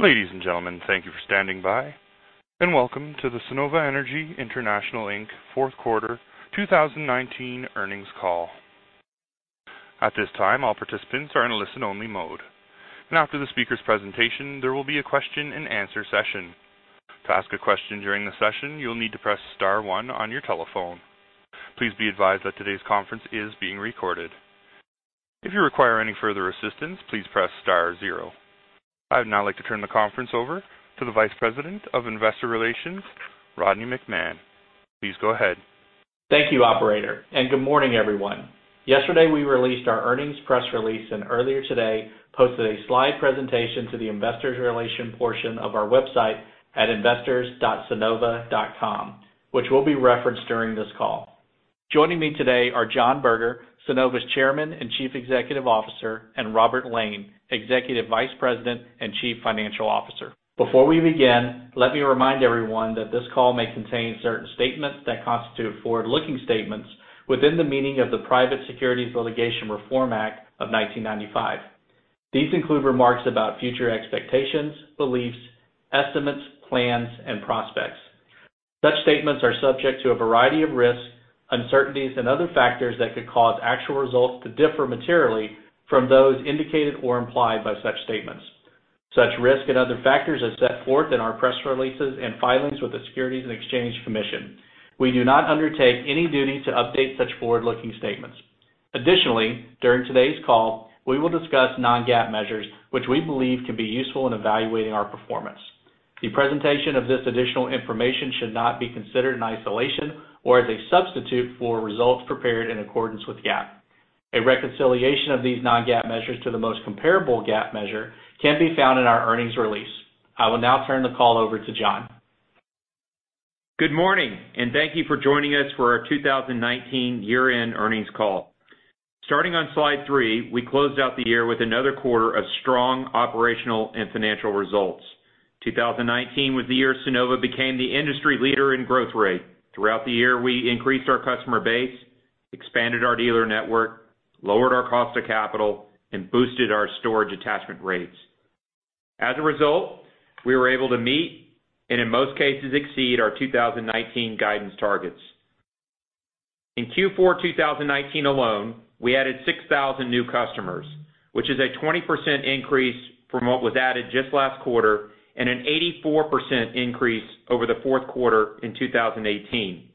Ladies and gentlemen, thank you for standing by and welcome to the Sunnova Energy International Inc. fourth quarter 2019 earnings call. At this time, all participants are in a listen-only mode. After the speaker's presentation, there will be a question and answer session. To ask a question during the session, you'll need to press star one on your telephone. Please be advised that today's conference is being recorded. If you require any further assistance, please press star zero. I'd now like to turn the conference over to the Vice President of Investor Relations, Rodney McMahan. Please go ahead. Thank you, operator. Good morning, everyone. Yesterday, we released our earnings press release, and earlier today posted a slide presentation to the investor relations portion of our website at investors.sunnova.com, which will be referenced during this call. Joining me today are John Berger, Sunnova's Chairman and Chief Executive Officer, and Robert Lane, Executive Vice President and Chief Financial Officer. Before we begin, let me remind everyone that this call may contain certain statements that constitute forward-looking statements within the meaning of the Private Securities Litigation Reform Act of 1995. These include remarks about future expectations, beliefs, estimates, plans, and prospects. Such statements are subject to a variety of risks, uncertainties, and other factors that could cause actual results to differ materially from those indicated or implied by such statements. Such risk and other factors as set forth in our press releases and filings with the Securities and Exchange Commission. We do not undertake any duty to update such forward-looking statements. During today's call, we will discuss non-GAAP measures, which we believe can be useful in evaluating our performance. The presentation of this additional information should not be considered in isolation or as a substitute for results prepared in accordance with GAAP. A reconciliation of these non-GAAP measures to the most comparable GAAP measure can be found in our earnings release. I will now turn the call over to John. Good morning, and thank you for joining us for our 2019 year-end earnings call. Starting on slide three, we closed out the year with another quarter of strong operational and financial results. 2019 was the year Sunnova became the industry leader in growth rate. Throughout the year, we increased our customer base, expanded our dealer network, lowered our cost of capital, and boosted our storage attachment rates. As a result, we were able to meet, and in most cases, exceed our 2019 guidance targets. In Q4 2019 alone, we added 6,000 new customers, which is a 20% increase from what was added just last quarter and an 84% increase over the fourth quarter in 2018.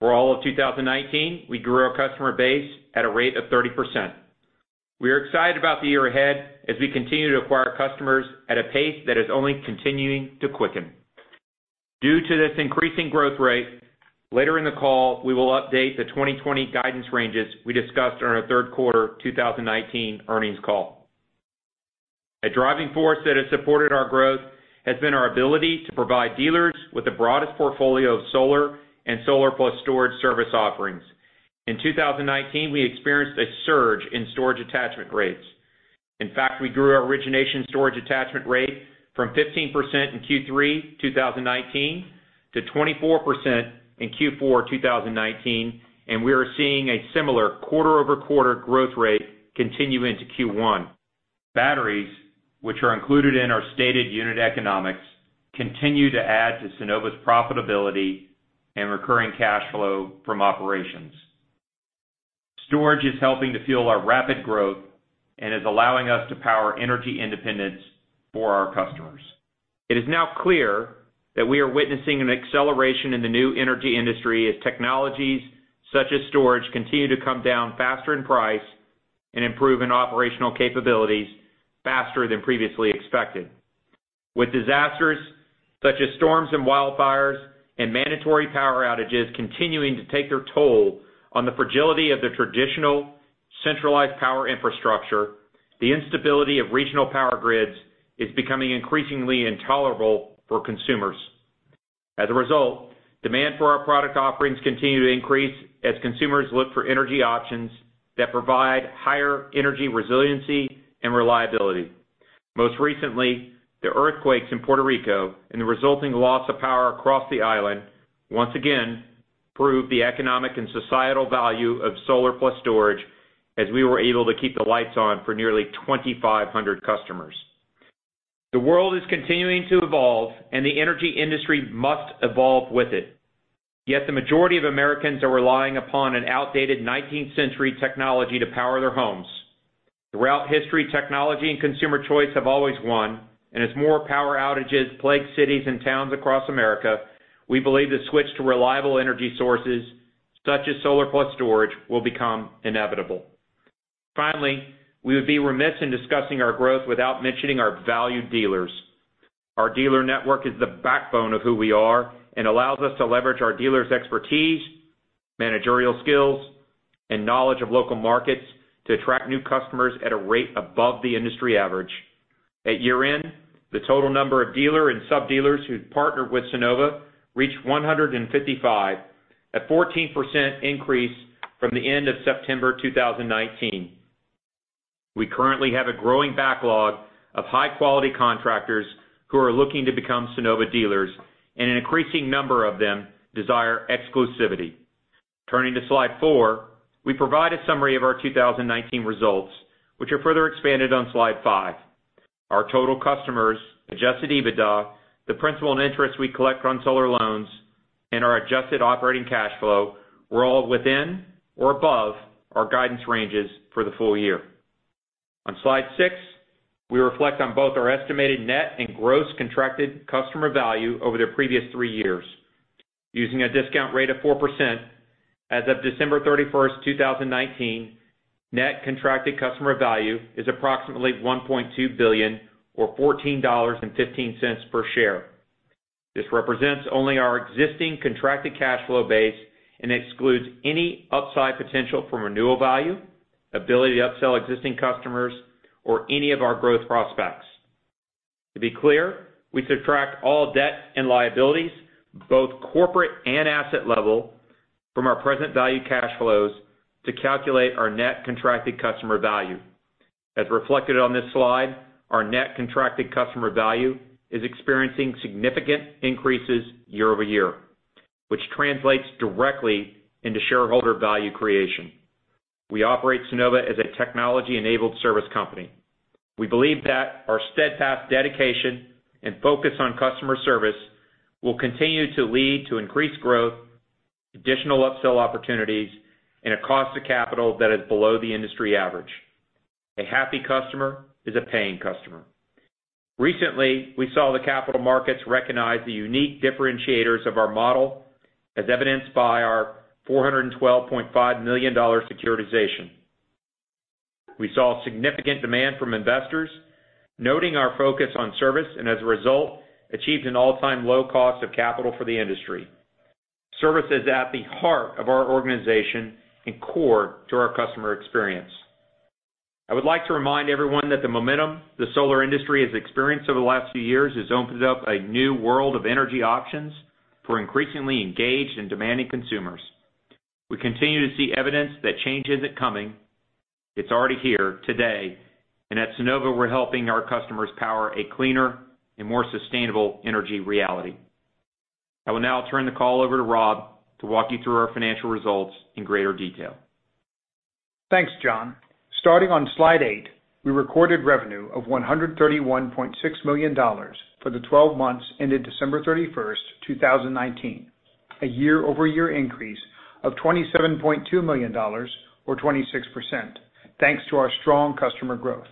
For all of 2019, we grew our customer base at a rate of 30%. We are excited about the year ahead as we continue to acquire customers at a pace that is only continuing to quicken. Due to this increasing growth rate, later in the call, we will update the 2020 guidance ranges we discussed on our third quarter 2019 earnings call. A driving force that has supported our growth has been our ability to provide dealers with the broadest portfolio of solar and solar plus storage service offerings. In 2019, we experienced a surge in storage attachment rates. In fact, we grew our origination storage attachment rate from 15% in Q3 2019 to 24% in Q4 2019, and we are seeing a similar quarter-over-quarter growth rate continue into Q1. Batteries, which are included in our stated unit economics, continue to add to Sunnova's profitability and recurring cash flow from operations. Storage is helping to fuel our rapid growth and is allowing us to power energy independence for our customers. It is now clear that we are witnessing an acceleration in the new energy industry as technologies such as storage continue to come down faster in price and improve in operational capabilities faster than previously expected. With disasters such as storms and wildfires and mandatory power outages continuing to take their toll on the fragility of the traditional centralized power infrastructure, the instability of regional power grids is becoming increasingly intolerable for consumers. Demand for our product offerings continue to increase as consumers look for energy options that provide higher energy resiliency and reliability. Most recently, the earthquakes in Puerto Rico and the resulting loss of power across the island once again proved the economic and societal value of solar plus storage, as we were able to keep the lights on for nearly 2,500 customers. The world is continuing to evolve, and the energy industry must evolve with it. Yet the majority of Americans are relying upon an outdated 19th century technology to power their homes. Throughout history, technology and consumer choice have always won, and as more power outages plague cities and towns across America, we believe the switch to reliable energy sources such as solar plus storage will become inevitable. Finally, we would be remiss in discussing our growth without mentioning our valued dealers. Our dealer network is the backbone of who we are and allows us to leverage our dealers' expertise, managerial skills, and knowledge of local markets to attract new customers at a rate above the industry average. At year-end, the total number of dealer and sub-dealers who've partnered with Sunnova reached 155, a 14% increase from the end of September 2019. We currently have a growing backlog of high-quality contractors who are looking to become Sunnova dealers, an increasing number of them desire exclusivity. Turning to slide four, we provide a summary of our 2019 results, which are further expanded on slide five. Our total customers, Adjusted EBITDA, the principal and interest we collect on solar loans, and our Adjusted Operating Cash Flow were all within or above our guidance ranges for the full year. On slide six, we reflect on both our estimated net and gross contracted customer value over the previous three years. Using a discount rate of 4%, as of December 31st, 2019, Net Contracted Customer Value is approximately $1.2 billion or $14.15 per share. This represents only our existing contracted cash flow base and excludes any upside potential from renewal value, ability to upsell existing customers, or any of our growth prospects. To be clear, we subtract all debt and liabilities, both corporate and asset level, from our present value cash flows to calculate our Net Contracted Customer Value. As reflected on this slide, our Net Contracted Customer Value is experiencing significant increases year-over-year, which translates directly into shareholder value creation. We operate Sunnova as a technology-enabled service company. We believe that our steadfast dedication and focus on customer service will continue to lead to increased growth, additional upsell opportunities, and a cost of capital that is below the industry average. A happy customer is a paying customer. Recently, we saw the capital markets recognize the unique differentiators of our model, as evidenced by our $412.5 million securitization. We saw significant demand from investors noting our focus on service, and as a result, achieved an all-time low cost of capital for the industry. Service is at the heart of our organization and core to our customer experience. I would like to remind everyone that the momentum the solar industry has experienced over the last few years has opened up a new world of energy options for increasingly engaged and demanding consumers. We continue to see evidence that change isn't coming, it's already here today. At Sunnova, we're helping our customers power a cleaner and more sustainable energy reality. I will now turn the call over to Rob to walk you through our financial results in greater detail. Thanks, John. Starting on slide eight, we recorded revenue of $131.6 million for the 12 months ended December 31st, 2019, a year-over-year increase of $27.2 million or 26%, thanks to our strong customer growth.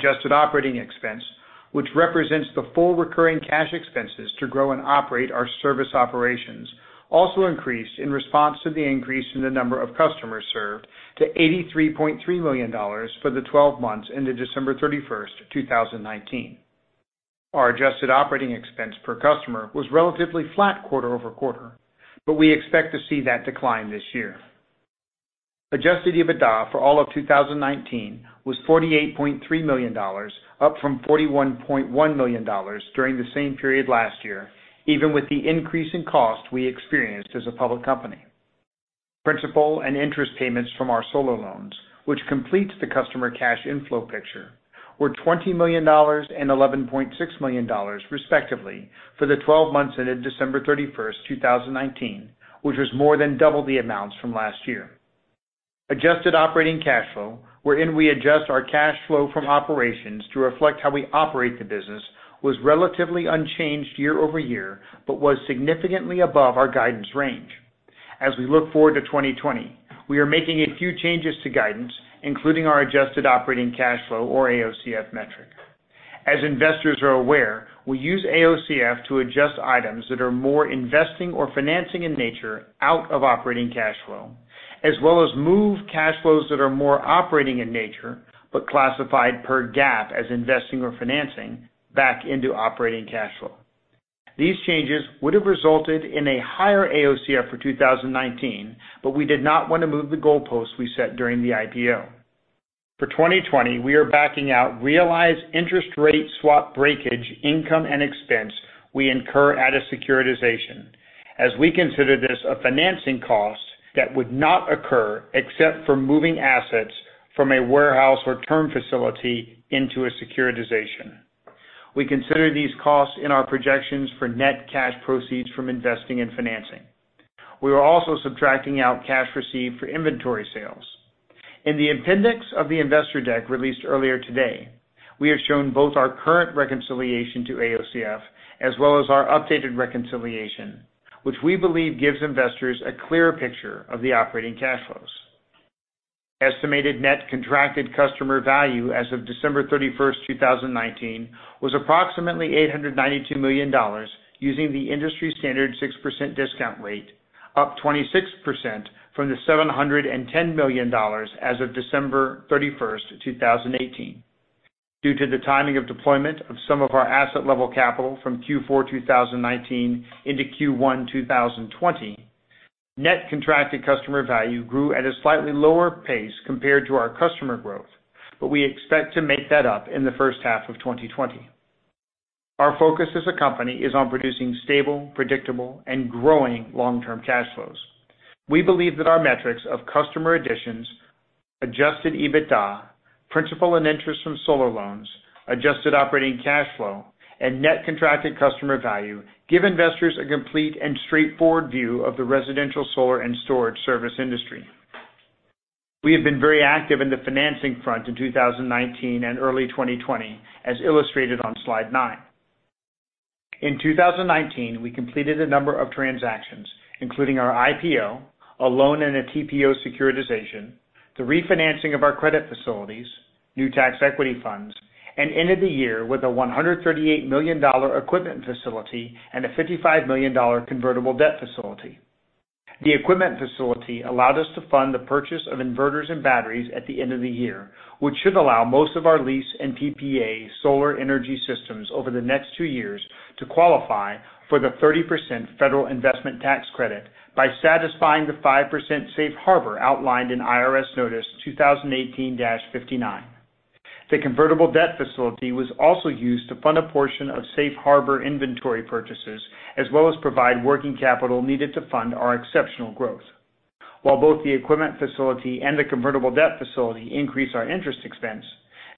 Adjusted operating expense, which represents the full recurring cash expenses to grow and operate our service operations, also increased in response to the increase in the number of customers served to $83.3 million for the 12 months ended December 31st, 2019. Our adjusted operating expense per customer was relatively flat quarter-over-quarter. We expect to see that decline this year. Adjusted EBITDA for all of 2019 was $48.3 million, up from $41.1 million during the same period last year, even with the increase in cost we experienced as a public company. Principal and interest payments from our solar loans, which completes the customer cash inflow picture, were $20 million and $11.6 million respectively for the 12 months ended December 31, 2019, which was more than double the amounts from last year. Adjusted Operating Cash Flow, wherein we adjust our cash flow from operations to reflect how we operate the business, was relatively unchanged year-over-year but was significantly above our guidance range. As we look forward to 2020, we are making a few changes to guidance, including our Adjusted Operating Cash Flow or AOCF metric. As investors are aware, we use AOCF to adjust items that are more investing or financing in nature out of operating cash flow, as well as move cash flows that are more operating in nature, but classified per GAAP as investing or financing back into operating cash flow. These changes would have resulted in a higher AOCF for 2019, but we did not want to move the goalposts we set during the IPO. For 2020, we are backing out realized interest rate swap breakage income and expense we incur at a securitization, as we consider this a financing cost that would not occur except for moving assets from a warehouse or term facility into a securitization. We consider these costs in our projections for net cash proceeds from investing and financing. We are also subtracting out cash received for inventory sales. In the appendix of the investor deck released earlier today, we have shown both our current reconciliation to AOCF as well as our updated reconciliation, which we believe gives investors a clearer picture of the operating cash flows. Estimated Net Contracted Customer Value as of December 31st, 2019, was approximately $892 million, using the industry standard 6% discount rate, up 26% from the $710 million as of December 31st, 2018. Due to the timing of deployment of some of our asset-level capital from Q4 2019 into Q1 2020, Net Contracted Customer Value grew at a slightly lower pace compared to our customer growth. We expect to make that up in the first half of 2020. Our focus as a company is on producing stable, predictable, and growing long-term cash flows. We believe that our metrics of customer additions, Adjusted EBITDA, principal and interest from solar loans, Adjusted Operating Cash Flow, and Net Contracted Customer Value give investors a complete and straightforward view of the residential solar and storage service industry. We have been very active in the financing front in 2019 and early 2020, as illustrated on slide nine. In 2019, we completed a number of transactions, including our IPO, a loan and a TPO securitization, the refinancing of our credit facilities, new tax equity funds, and ended the year with a $138 million equipment facility and a $55 million convertible debt facility. The equipment facility allowed us to fund the purchase of inverters and batteries at the end of the year, which should allow most of our lease and PPA solar energy systems over the next two years to qualify for the 30% Federal Investment Tax Credit by satisfying the 5% safe harbor outlined in IRS Notice 2018-59. The convertible debt facility was also used to fund a portion of safe harbor inventory purchases, as well as provide working capital needed to fund our exceptional growth. While both the equipment facility and the convertible debt facility increase our interest expense,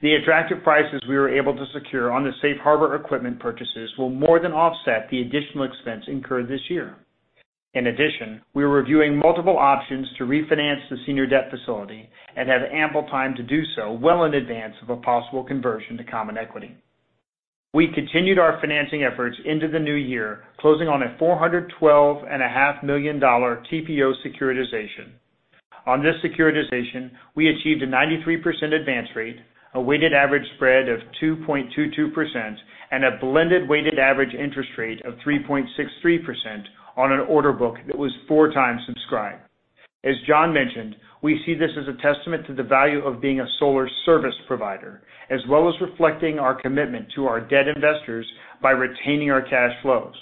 the attractive prices we were able to secure on the safe harbor equipment purchases will more than offset the additional expense incurred this year. In addition, we are reviewing multiple options to refinance the senior debt facility and have ample time to do so well in advance of a possible conversion to common equity. We continued our financing efforts into the new year, closing on a $412.5 million TPO securitization. On this securitization, we achieved a 93% advance rate, a weighted average spread of 2.22%, and a blended weighted average interest rate of 3.63% on an order book that was four times subscribed. As John mentioned, we see this as a testament to the value of being a solar service provider, as well as reflecting our commitment to our debt investors by retaining our cash flows.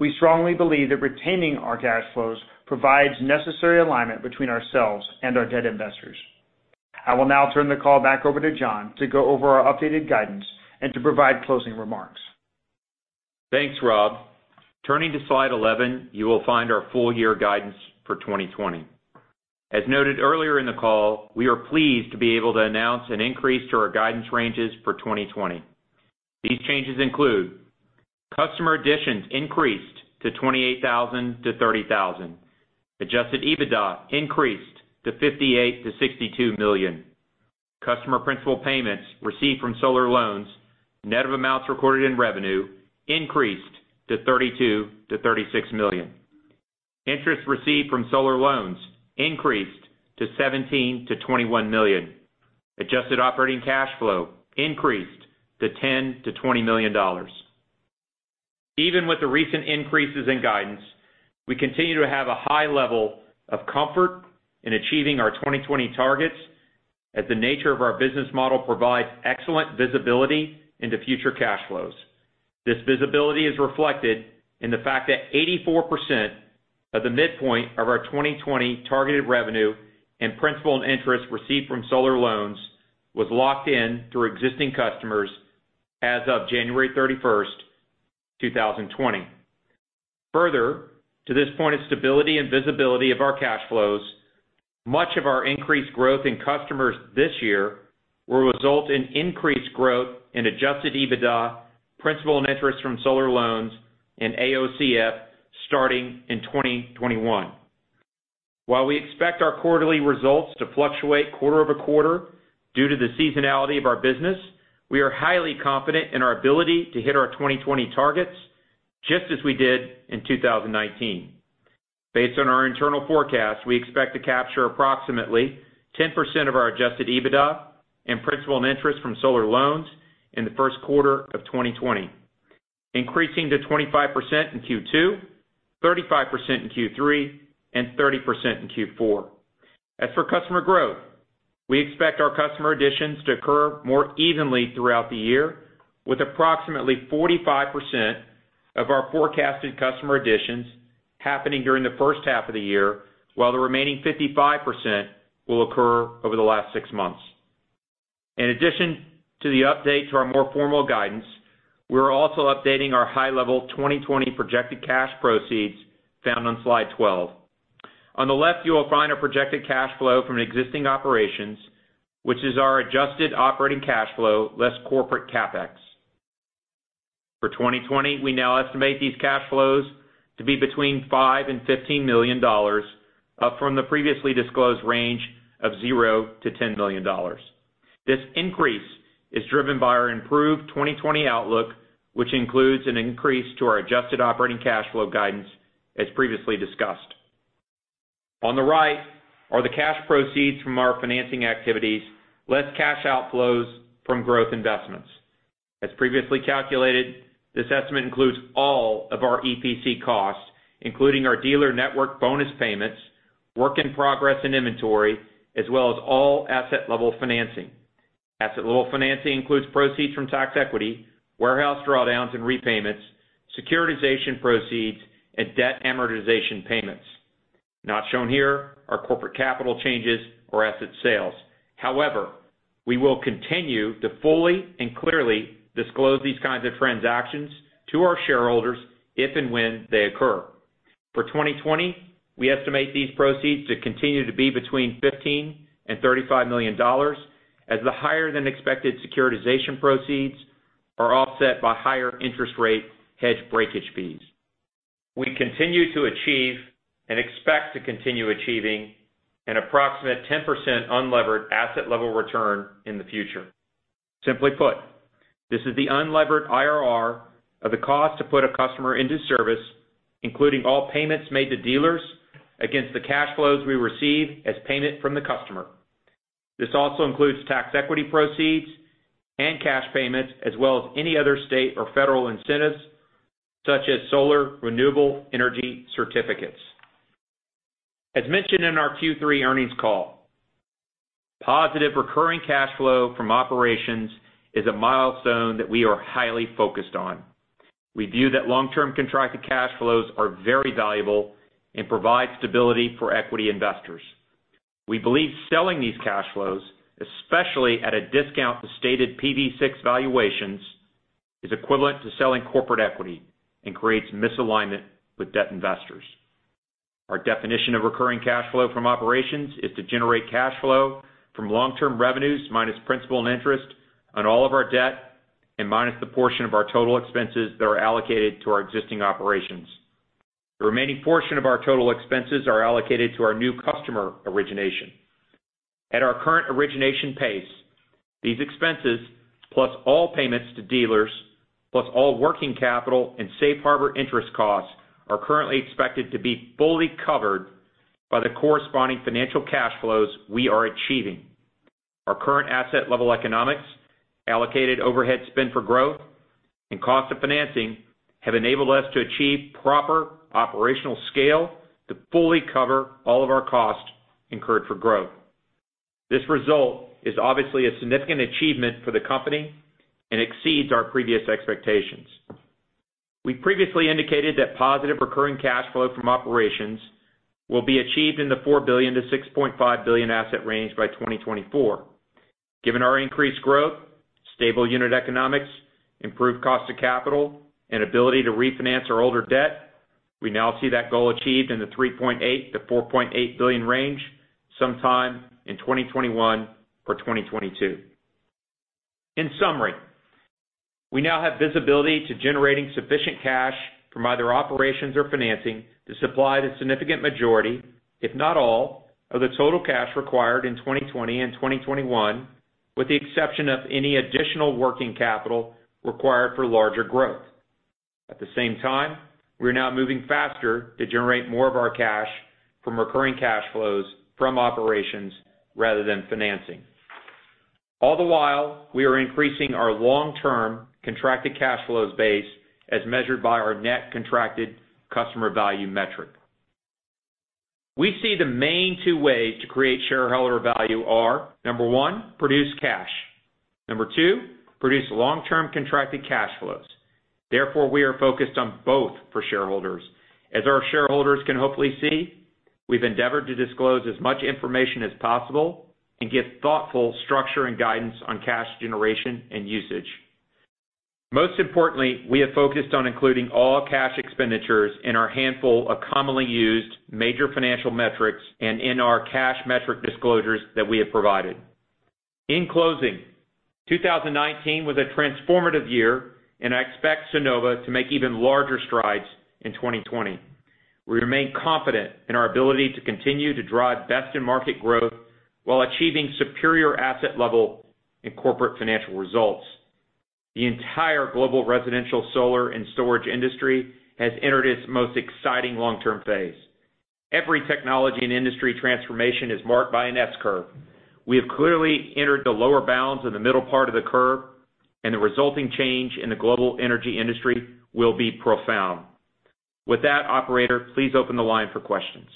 We strongly believe that retaining our cash flows provides necessary alignment between ourselves and our debt investors. I will now turn the call back over to John to go over our updated guidance and to provide closing remarks. Thanks, Rob. Turning to slide 11, you will find our full year guidance for 2020. As noted earlier in the call, we are pleased to be able to announce an increase to our guidance ranges for 2020. These changes include customer additions increased to 28,000-30,000. Adjusted EBITDA increased to $58 million-$62 million. Customer principal payments received from solar loans, net of amounts recorded in revenue, increased to $32 million-$36 million. Interest received from solar loans increased to $17 million-$21 million. Adjusted Operating Cash Flow increased to $10 million-$20 million. Even with the recent increases in guidance, we continue to have a high level of comfort in achieving our 2020 targets, as the nature of our business model provides excellent visibility into future cash flows. This visibility is reflected in the fact that 84% of the midpoint of our 2020 targeted revenue in principal and interest received from solar loans was locked in through existing customers as of January 31st, 2020. Further, to this point of stability and visibility of our cash flows, much of our increased growth in customers this year will result in increased growth in Adjusted EBITDA, principal and interest from solar loans, and AOCF starting in 2021. While we expect our quarterly results to fluctuate quarter-over-quarter due to the seasonality of our business, we are highly confident in our ability to hit our 2020 targets, just as we did in 2019. Based on our internal forecast, we expect to capture approximately 10% of our Adjusted EBITDA and principal and interest from solar loans in the first quarter of 2020, increasing to 25% in Q2, 35% in Q3, and 30% in Q4. As for customer growth, we expect our customer additions to occur more evenly throughout the year, with approximately 45% of our forecasted customer additions happening during the first half of the year, while the remaining 55% will occur over the last six months. In addition to the update to our more formal guidance, we are also updating our high-level 2020 projected cash proceeds found on slide 12. On the left, you will find our projected cash flow from existing operations, which is our Adjusted Operating Cash Flow, less corporate CapEx. For 2020, we now estimate these cash flows to be between $5 million and $15 million, up from the previously disclosed range of $0-$10 million. This increase is driven by our improved 2020 outlook, which includes an increase to our Adjusted Operating Cash Flow guidance, as previously discussed. On the right are the cash proceeds from our financing activities, less cash outflows from growth investments. As previously calculated, this estimate includes all of our EPC costs, including our dealer network bonus payments, work in progress and inventory, as well as all asset-level financing. Asset-level financing includes proceeds from tax equity, warehouse drawdowns and repayments, securitization proceeds, and debt amortization payments. Not shown here are corporate capital changes or asset sales. However, we will continue to fully and clearly disclose these kinds of transactions to our shareholders if and when they occur. For 2020, we estimate these proceeds to continue to be between $15 million and $35 million, as the higher-than-expected securitization proceeds are offset by higher interest rate hedge breakage fees. We continue to achieve and expect to continue achieving an approximate 10% unlevered asset level return in the future. Simply put, this is the unlevered IRR of the cost to put a customer into service, including all payments made to dealers against the cash flows we receive as payment from the customer. This also includes tax equity proceeds and cash payments, as well as any other state or federal incentives, such as Solar Renewable Energy Certificates. As mentioned in our Q3 earnings call, positive recurring cash flow from operations is a milestone that we are highly focused on. We view that long-term contracted cash flows are very valuable and provide stability for equity investors. We believe selling these cash flows, especially at a discount to stated PV6 valuations, is equivalent to selling corporate equity and creates misalignment with debt investors. Our definition of recurring cash flow from operations is to generate cash flow from long-term revenues, minus principal and interest on all of our debt, and minus the portion of our total expenses that are allocated to our existing operations. The remaining portion of our total expenses are allocated to our new customer origination. At our current origination pace, these expenses, plus all payments to dealers, plus all working capital and safe harbor interest costs, are currently expected to be fully covered by the corresponding financial cash flows we are achieving. Our current asset level economics, allocated overhead spend for growth, and cost of financing have enabled us to achieve proper operational scale to fully cover all of our costs incurred for growth. This result is obviously a significant achievement for the company and exceeds our previous expectations. We previously indicated that positive recurring cash flow from operations will be achieved in the $4 billion-$6.5 billion asset range by 2024. Given our increased growth, stable unit economics, improved cost of capital, and ability to refinance our older debt, we now see that goal achieved in the $3.8 billion-$4.8 billion range sometime in 2021 or 2022. In summary, we now have visibility to generating sufficient cash from either operations or financing to supply the significant majority, if not all, of the total cash required in 2020 and 2021, with the exception of any additional working capital required for larger growth. At the same time, we are now moving faster to generate more of our cash from recurring cash flows from operations rather than financing. All the while, we are increasing our long-term contracted cash flows base as measured by our Net Contracted Customer Value metric. We see the main two ways to create shareholder value are, number one, produce cash. Number two, produce long-term contracted cash flows. Therefore, we are focused on both for shareholders. As our shareholders can hopefully see, we've endeavored to disclose as much information as possible and give thoughtful structure and guidance on cash generation and usage. Most importantly, we have focused on including all cash expenditures in our handful of commonly used major financial metrics and in our cash metric disclosures that we have provided. In closing, 2019 was a transformative year, and I expect Sunnova to make even larger strides in 2020. We remain confident in our ability to continue to drive best-in-market growth while achieving superior asset level and corporate financial results. The entire global residential solar and storage industry has entered its most exciting long-term phase. Every technology and industry transformation is marked by an S-curve. We have clearly entered the lower bounds of the middle part of the curve, and the resulting change in the global energy industry will be profound. With that, operator, please open the line for questions.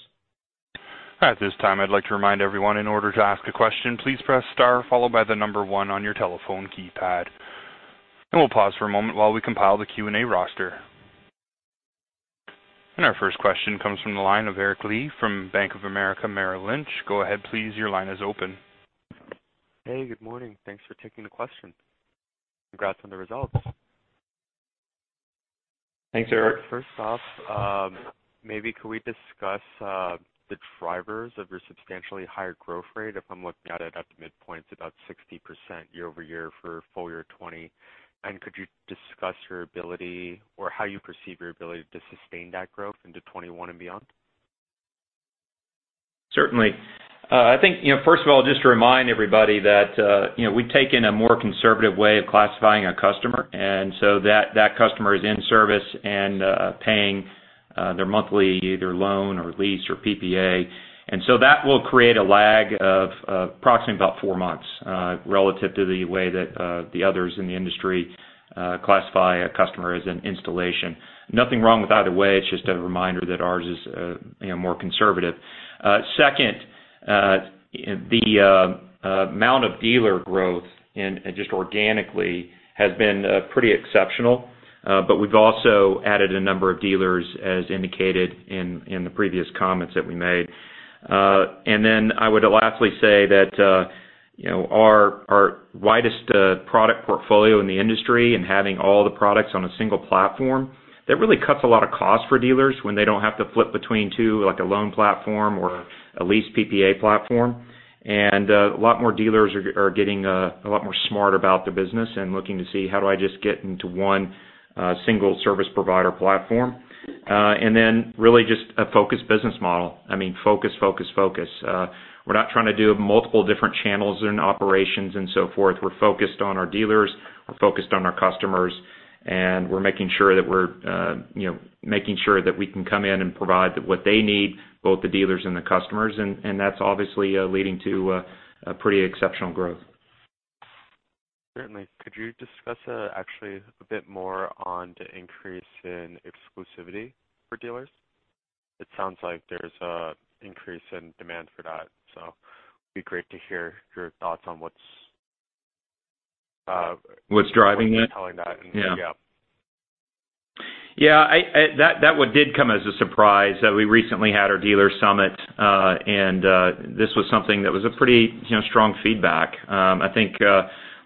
At this time, I'd like to remind everyone, in order to ask a question, please press star followed by the number 1 on your telephone keypad. We'll pause for a moment while we compile the Q&A roster. Our first question comes from the line of Julien Dumoulin-Smith from Bank of America Merrill Lynch. Go ahead please, your line is open. Hey, good morning. Thanks for taking the question. Congrats on the results. Thanks, Julien. First off, maybe could we discuss the drivers of your substantially higher growth rate? If I'm looking at it at the midpoint, it's about 60% year-over-year for full year 2020. Could you discuss your ability or how you perceive your ability to sustain that growth into 2021 and beyond? Certainly. I think, first of all, just to remind everybody that we've taken a more conservative way of classifying a customer. That customer is in service and paying their monthly either loan or lease or PPA. That will create a lag of approximately about four months relative to the way that the others in the industry classify a customer as an installation. Nothing wrong with either way. It's just a reminder that ours is more conservative. Second, the amount of dealer growth, and just organically, has been pretty exceptional. We've also added a number of dealers as indicated in the previous comments that we made. Then I would lastly say that our widest product portfolio in the industry and having all the products on a single platform, that really cuts a lot of cost for dealers when they don't have to flip between two, like a loan platform or a lease PPA platform. A lot more dealers are getting a lot more smart about their business and looking to see how do I just get into one single service provider platform. Really just a focused business model. Focus, focus. We're not trying to do multiple different channels and operations and so forth. We're focused on our dealers, we're focused on our customers, and we're making sure that we can come in and provide what they need, both the dealers and the customers. That's obviously leading to a pretty exceptional growth. Certainly. Could you discuss actually a bit more on the increase in exclusivity for dealers? It sounds like there's an increase in demand for that, so it'd be great to hear your thoughts on. What's driving it? Driving that. Yeah. Yeah. That one did come as a surprise. We recently had our dealer summit, and this was something that was a pretty strong feedback. I think,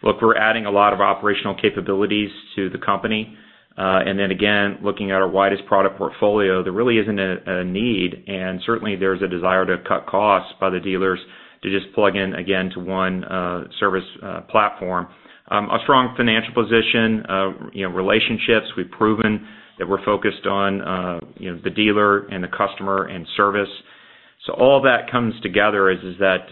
look, we're adding a lot of operational capabilities to the company. Then again, looking at our widest product portfolio, there really isn't a need, and certainly there's a desire to cut costs by the dealers to just plug in again to one service platform. A strong financial position. Relationships, we've proven that we're focused on the dealer and the customer and service. All that comes together is that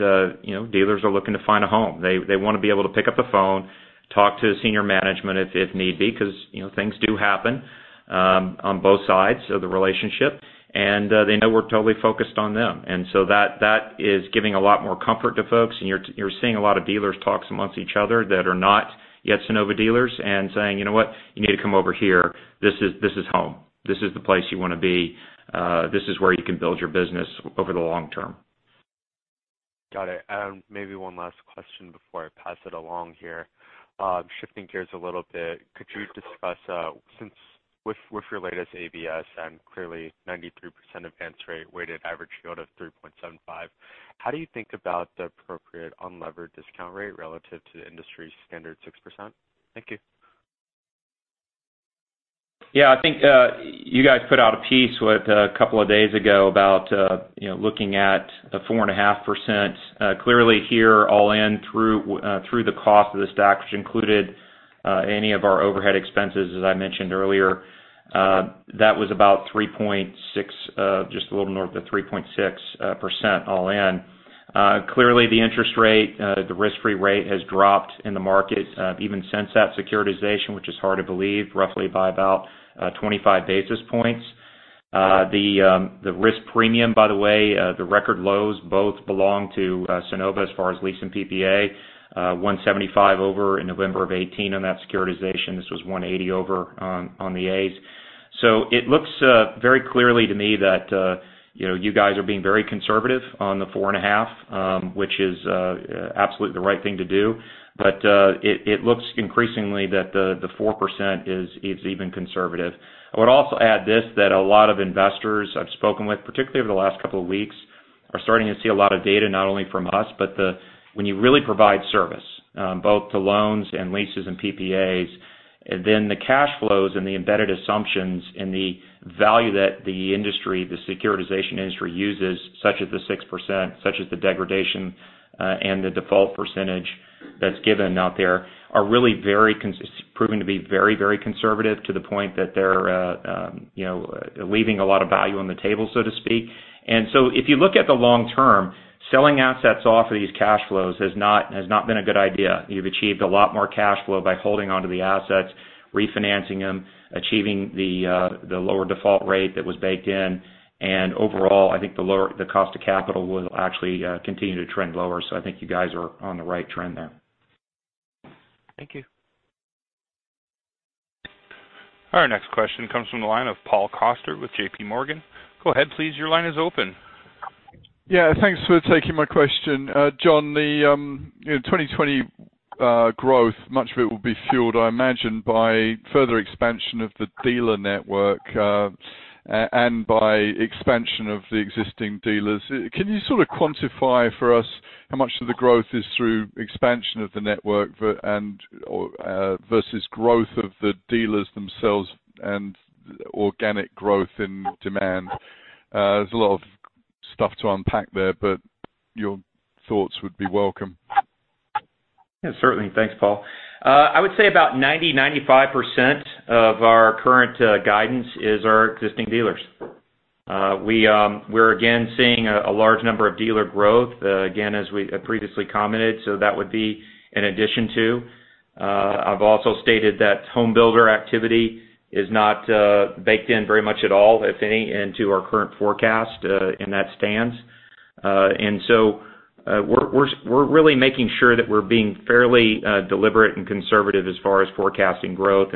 dealers are looking to find a home. They want to be able to pick up the phone, talk to senior management if need be, because things do happen on both sides of the relationship. And they know we're totally focused on them. That is giving a lot more comfort to folks. You're seeing a lot of dealers talk amongst each other that are not yet Sunnova dealers and saying, "You know what? You need to come over here. This is home. This is the place you want to be. This is where you can build your business over the long term." Got it. Maybe one last question before I pass it along here. Shifting gears a little bit, could you discuss, with your latest ABS and clearly 93% advance rate, weighted average yield of 3.75, how do you think about the appropriate unlevered discount rate relative to the industry standard 6%? Thank you. Yeah, I think you guys put out a piece a couple of days ago about looking at a 4.5%. Clearly here all in through the cost of the stack, which included any of our overhead expenses, as I mentioned earlier. That was about 3.6%, just a little north of 3.6% all in. Clearly, the interest rate, the risk-free rate has dropped in the market, even since that securitization, which is hard to believe, roughly by about 25 basis points. The risk premium, by the way, the record lows both belong to Sunnova as far as lease and PPA. 175 over in November of 2018 on that securitization. This was 180 over on the As. It looks very clearly to me that you guys are being very conservative on the 4.5%, which is absolutely the right thing to do. It looks increasingly that the 4% is even conservative. I would also add this, that a lot of investors I've spoken with, particularly over the last couple of weeks, are starting to see a lot of data, not only from us, but when you really provide service, both to loans and leases and PPAs. The cash flows and the embedded assumptions and the value that the industry, the securitization industry uses, such as the 6%, such as the degradation, and the default percentage that's given out there are really proving to be very conservative to the point that they're leaving a lot of value on the table, so to speak. If you look at the long term, selling assets off of these cash flows has not been a good idea. You've achieved a lot more cash flow by holding onto the assets, refinancing them, achieving the lower default rate that was baked in. Overall, I think the cost of capital will actually continue to trend lower. I think you guys are on the right trend there. Thank you. Our next question comes from the line of Paul Coster with JPMorgan. Go ahead please, your line is open. Yeah. Thanks for taking my question. John, the 2020 growth, much of it will be fueled, I imagine, by further expansion of the dealer network, and by expansion of the existing dealers. Can you sort of quantify for us how much of the growth is through expansion of the network versus growth of the dealers themselves and organic growth in demand? There's a lot of stuff to unpack there, but your thoughts would be welcome. Yeah, certainly. Thanks, Paul. I would say about 90%, 95% of our current guidance is our existing dealers. We're again seeing a large number of dealer growth, again, as we previously commented. That would be in addition to. I've also stated that home builder activity is not baked in very much at all, if any, into our current forecast, and that stands. We're really making sure that we're being fairly deliberate and conservative as far as forecasting growth.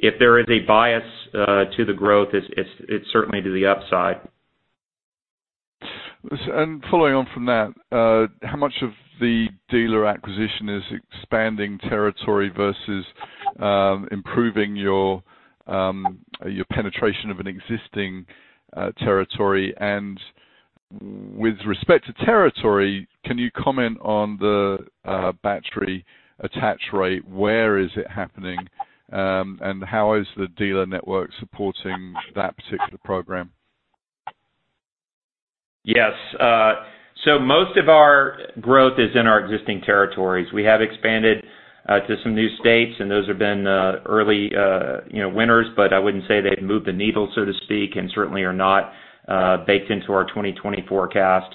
If there is a bias to the growth, it's certainly to the upside. Following on from that, how much of the dealer acquisition is expanding territory versus improving your penetration of an existing territory? With respect to territory, can you comment on the battery attach rate? Where is it happening? How is the dealer network supporting that particular program? Yes. Most of our growth is in our existing territories. We have expanded to some new states, and those have been early winners, but I wouldn't say they've moved the needle, so to speak, and certainly are not baked into our 2020 forecast.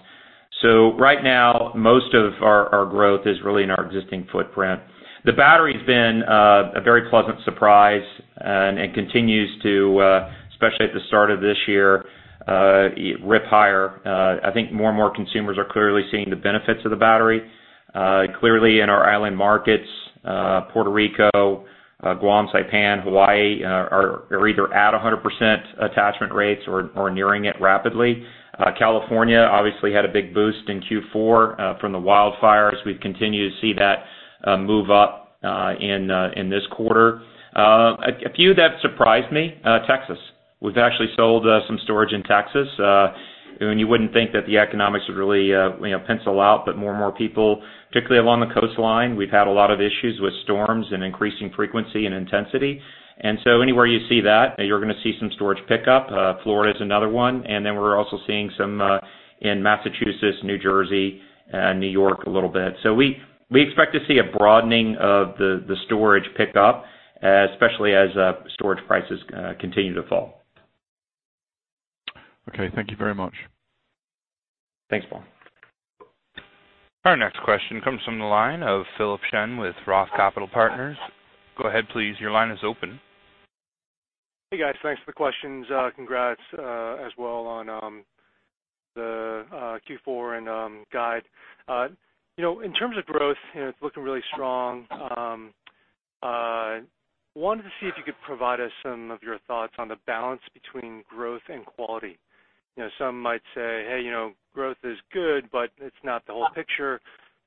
Right now, most of our growth is really in our existing footprint. The battery's been a very pleasant surprise and continues to, especially at the start of this year, rip higher. I think more and more consumers are clearly seeing the benefits of the battery. Clearly in our island markets, Puerto Rico, Guam, Saipan, Hawaii, are either at 100% attachment rates or nearing it rapidly. California obviously had a big boost in Q4 from the wildfires. We continue to see that move up in this quarter. A few that surprised me, Texas. We've actually sold some storage in Texas. You wouldn't think that the economics would really pencil out, but more and more people, particularly along the coastline, we've had a lot of issues with storms and increasing frequency and intensity. Anywhere you see that, you're going to see some storage pickup. Florida's another one, and then we're also seeing some in Massachusetts, New Jersey, New York a little bit. We expect to see a broadening of the storage pickup, especially as storage prices continue to fall. Okay, thank you very much. Thanks, Paul. Our next question comes from the line of Philip Shen with ROTH Capital Partners. Go ahead, please. Your line is open. Hey, guys. Thanks for the questions. Congrats as well on the Q4 and guide. In terms of growth, it's looking really strong. Wanted to see if you could provide us some of your thoughts on the balance between growth and quality. Some might say, "Hey, growth is good, but it's not the whole picture."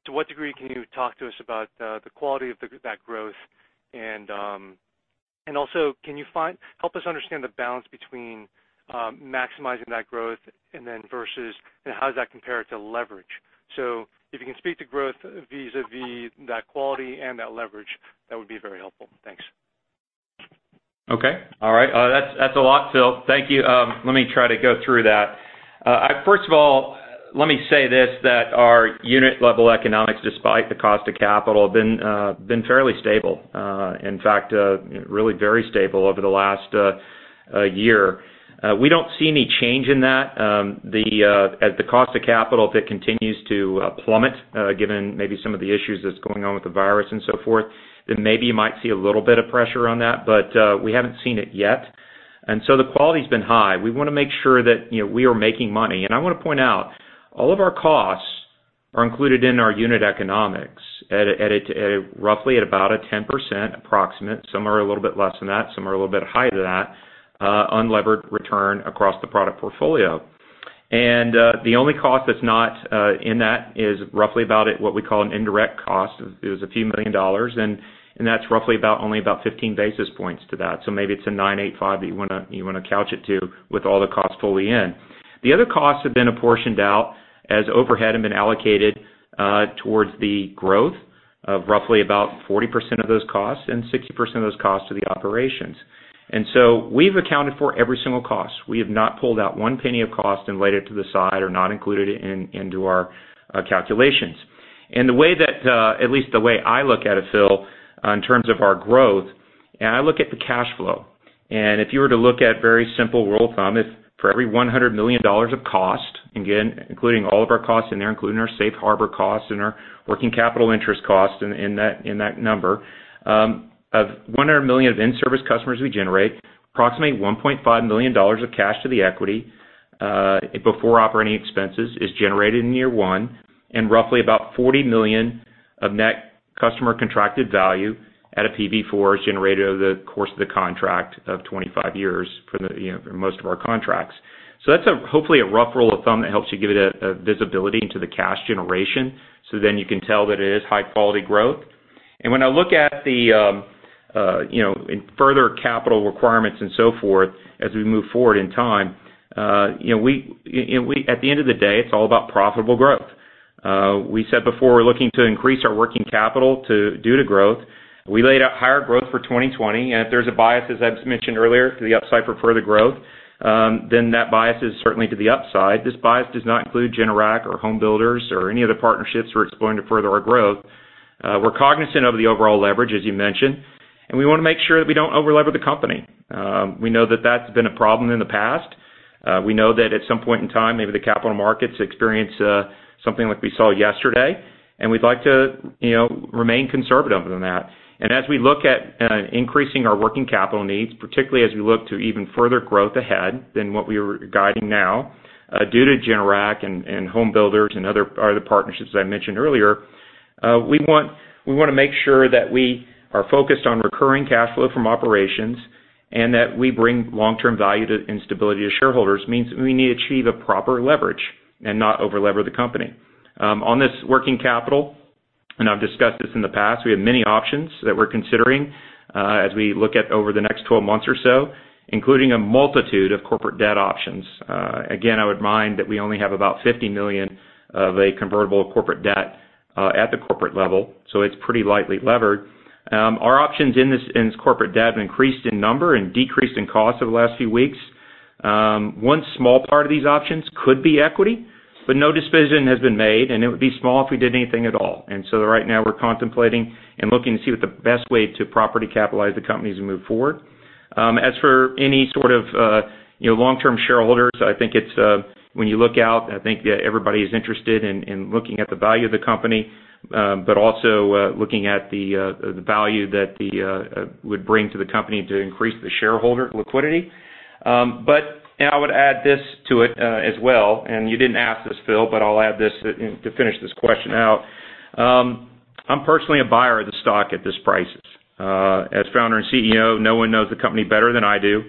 To what degree can you talk to us about the quality of that growth? Also, can you help us understand the balance between maximizing that growth and then versus how does that compare to leverage? If you can speak to growth vis-a-vis that quality and that leverage, that would be very helpful. Thanks. Okay. All right. That's a lot, Phil. Thank you. Let me try to go through that. First of all, let me say this, that our unit level economics, despite the cost of capital, have been fairly stable. In fact, really very stable over the last year. We don't see any change in that. The cost of capital, if it continues to plummet, given maybe some of the issues that's going on with the virus and so forth, then maybe you might see a little bit of pressure on that. We haven't seen it yet. The quality's been high. We want to make sure that we are making money. I want to point out, all of our costs are included in our unit economics at roughly at about a 10% approximate. Some are a little bit less than that, some are a little bit higher than that, unlevered return across the product portfolio. The only cost that's not in that is roughly about what we call an indirect cost. It was a few million dollars, and that's roughly about only about 15 basis points to that. Maybe it's a 9.85 that you want to couch it to with all the costs fully in. The other costs have been apportioned out as overhead and been allocated towards the growth of roughly about 40% of those costs, and 60% of those costs are the operations. We've accounted for every single cost. We have not pulled out one penny of cost and laid it to the side or not included it into our calculations. The way that, at least the way I look at it, Phil, in terms of our growth, I look at the cash flow. If you were to look at very simple rule of thumb, if for every $100 million of cost, again, including all of our costs in there, including our safe harbor costs and our working capital interest cost in that number, of $100 million of in-service customers we generate, approximately $1.5 million of cash to the equity before operating expenses is generated in year one. Roughly about $40 million of Net Contracted Customer Value at a PV4 is generated over the course of the contract of 25 years for most of our contracts. That's hopefully a rough rule of thumb that helps you give it a visibility into the cash generation. You can tell that it is high-quality growth. When I look at further capital requirements and so forth as we move forward in time, at the end of the day, it's all about profitable growth. We said before, we're looking to increase our working capital due to growth. We laid out higher growth for 2020, and if there's a bias, as [Rob] mentioned earlier, to the upside for further growth, then that bias is certainly to the upside. This bias does not include Generac or home builders or any other partnerships we're exploring to further our growth. We're cognizant of the overall leverage, as you mentioned, and we want to make sure that we don't over-lever the company. We know that that's been a problem in the past. We know that at some point in time, maybe the capital markets experience something like we saw yesterday, and we'd like to remain conservative on that. As we look at increasing our working capital needs, particularly as we look to even further growth ahead than what we are guiding now due to Generac and home builders and other partnerships, as I mentioned earlier, we want to make sure that we are focused on recurring cash flow from operations and that we bring long-term value and stability to shareholders. Means that we need to achieve a proper leverage and not over-lever the company. On this working capital, and I've discussed this in the past, we have many options that we're considering as we look at over the next 12 months or so, including a multitude of corporate debt options. Again, I would remind that we only have about $50 million of a convertible corporate debt at the corporate level, so it's pretty lightly levered. Our options in this corporate debt have increased in number and decreased in cost over the last few weeks. One small part of these options could be equity, but no decision has been made, and it would be small if we did anything at all. Right now we're contemplating and looking to see what the best way to properly capitalize the company as we move forward. As for any sort of long-term shareholders, I think when you look out, I think that everybody is interested in looking at the value of the company, but also looking at the value that would bring to the company to increase the shareholder liquidity. I would add this to it as well, and you didn't ask this, Phil, but I'll add this to finish this question out. I'm personally a buyer of the stock at this price. As founder and CEO, no one knows the company better than I do.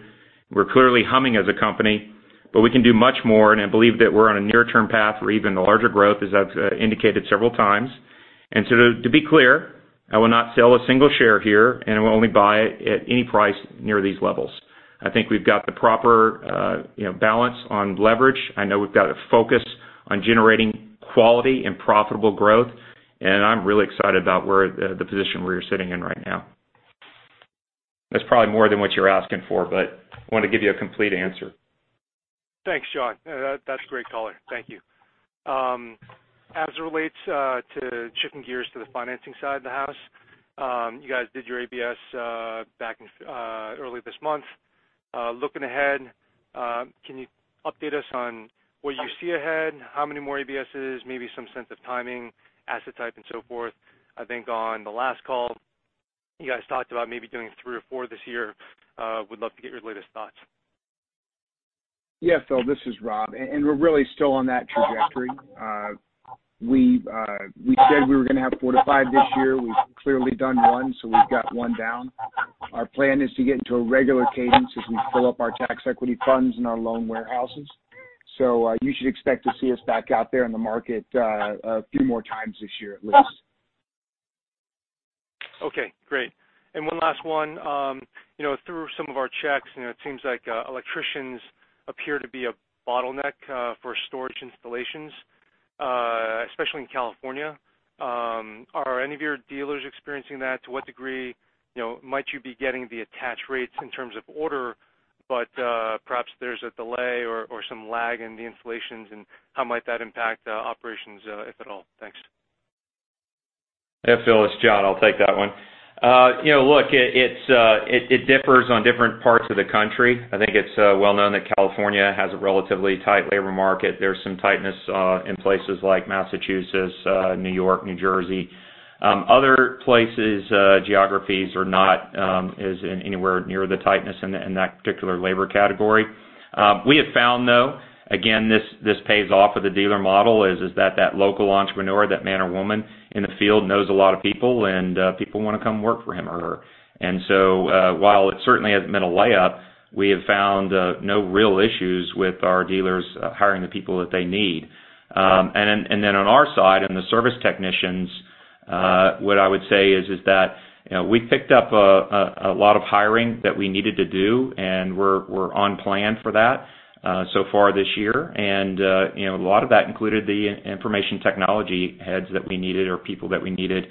We're clearly humming as a company, but we can do much more, and I believe that we're on a near-term path for even larger growth, as I've indicated several times. To be clear, I will not sell a single share here, and I will only buy it at any price near these levels. I think we've got the proper balance on leverage. I know we've got a focus on generating quality and profitable growth, and I'm really excited about the position we're sitting in right now. That's probably more than what you're asking for, but I wanted to give you a complete answer. Thanks, John. That's a great color. Thank you. It relates to shifting gears to the financing side of the house, you guys did your ABS back early this month. Looking ahead, can you update us on what you see ahead, how many more ABSs, maybe some sense of timing, asset type, and so forth? I think on the last call, you guys talked about maybe doing three or four this year. Would love to get your latest thoughts. Yeah, Phil, this is Rob. We're really still on that trajectory. We said we were going to have four to five this year. We've clearly done one. We've got one down. Our plan is to get into a regular cadence as we fill up our tax equity funds and our loan warehouses. You should expect to see us back out there in the market a few more times this year, at least. Okay, great. One last one. Through some of our checks, it seems like electricians appear to be a bottleneck for storage installations, especially in California. Are any of your dealers experiencing that? To what degree might you be getting the attached rates in terms of order, but perhaps there's a delay or some lag in the installations, and how might that impact operations, if at all? Thanks. Yeah, Phil, it's John. I'll take that one. It differs on different parts of the country. I think it's well known that California has a relatively tight labor market. There's some tightness in places like Massachusetts, New York, New Jersey. Other places, geographies are not anywhere near the tightness in that particular labor category. We have found, though, again, this pays off with the dealer model, is that that local entrepreneur, that man or woman in the field, knows a lot of people, and people want to come work for him or her. While it certainly hasn't been a layup, we have found no real issues with our dealers hiring the people that they need. On our side, on the service technicians, what I would say is that we picked up a lot of hiring that we needed to do, and we're on plan for that so far this year. A lot of that included the information technology heads that we needed or people that we needed,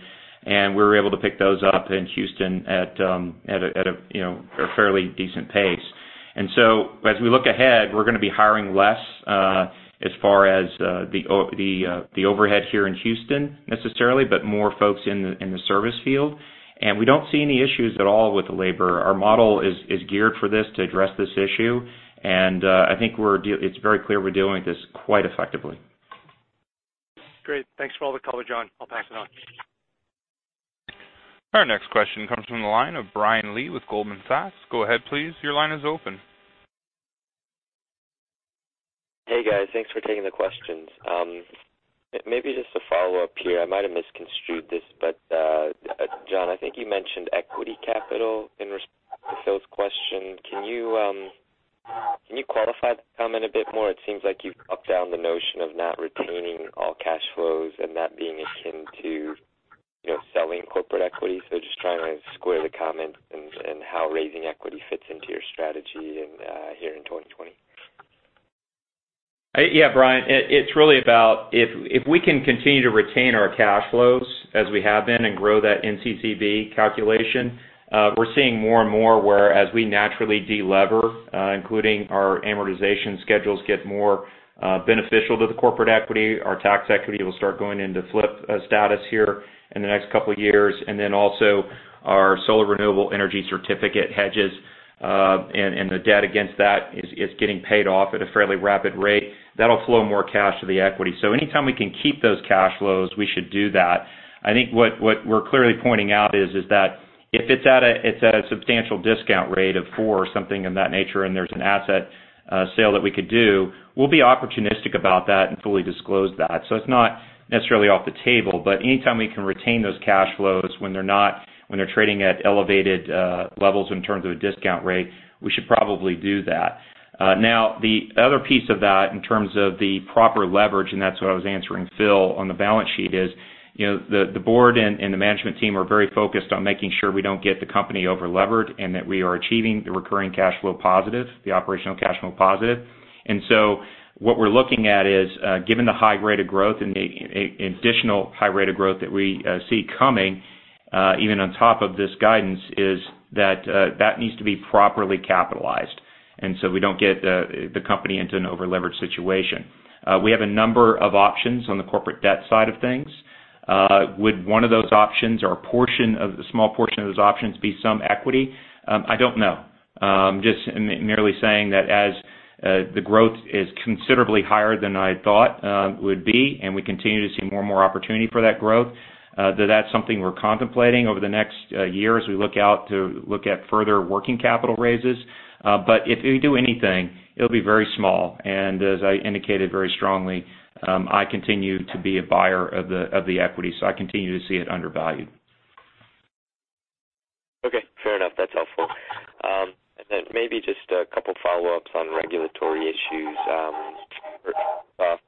and we were able to pick those up in Houston at a fairly decent pace. As we look ahead, we're going to be hiring less as far as the overhead here in Houston, necessarily, but more folks in the service field. We don't see any issues at all with the labor. Our model is geared for this to address this issue, and I think it's very clear we're dealing with this quite effectively. Great. Thanks for all the color, John. I'll pass it on. Our next question comes from the line of Brian Lee with Goldman Sachs. Go ahead please. Your line is open. Hey, guys. Thanks for taking the questions. Maybe just a follow-up here. I might have misconstrued this, but John, I think you mentioned equity capital in Phil's question. Can you qualify the comment a bit more? It seems like you've locked down the notion of not retaining all cash flows and that being akin to selling corporate equity. Just trying to square the comment and how raising equity fits into your strategy here in 2020. Yeah, Brian, it's really about if we can continue to retain our cash flows as we have been and grow that NCCV calculation. We're seeing more and more where as we naturally de-lever, including our amortization schedules get more beneficial to the corporate equity. Our tax equity will start going into flip status here in the next couple of years. Also our solar renewable energy certificate hedges and the debt against that is getting paid off at a fairly rapid rate. That'll flow more cash to the equity. Anytime we can keep those cash flows, we should do that. I think what we're clearly pointing out is that. If it's at a substantial discount rate of four or something of that nature, and there's an asset sale that we could do, we'll be opportunistic about that and fully disclose that. It's not necessarily off the table, but anytime we can retain those cash flows when they're trading at elevated levels in terms of a discount rate, we should probably do that. The other piece of that, in terms of the proper leverage, and that's what I was answering Phil on the balance sheet is, the board and the management team are very focused on making sure we don't get the company over-levered, and that we are achieving the recurring cash flow positive, the operational cash flow positive. What we're looking at is, given the high rate of growth and the additional high rate of growth that we see coming, even on top of this guidance, that needs to be properly capitalized. We don't get the company into an over-leveraged situation. We have a number of options on the corporate debt side of things. Would one of those options or a small portion of those options be some equity? I don't know. Merely saying that as the growth is considerably higher than I thought would be, and we continue to see more and more opportunity for that growth, that's something we're contemplating over the next year as we look out to look at further working capital raises. If we do anything, it'll be very small. As I indicated very strongly, I continue to be a buyer of the equity. I continue to see it undervalued. Okay. Fair enough. That's helpful. Maybe just a couple of follow-ups on regulatory issues.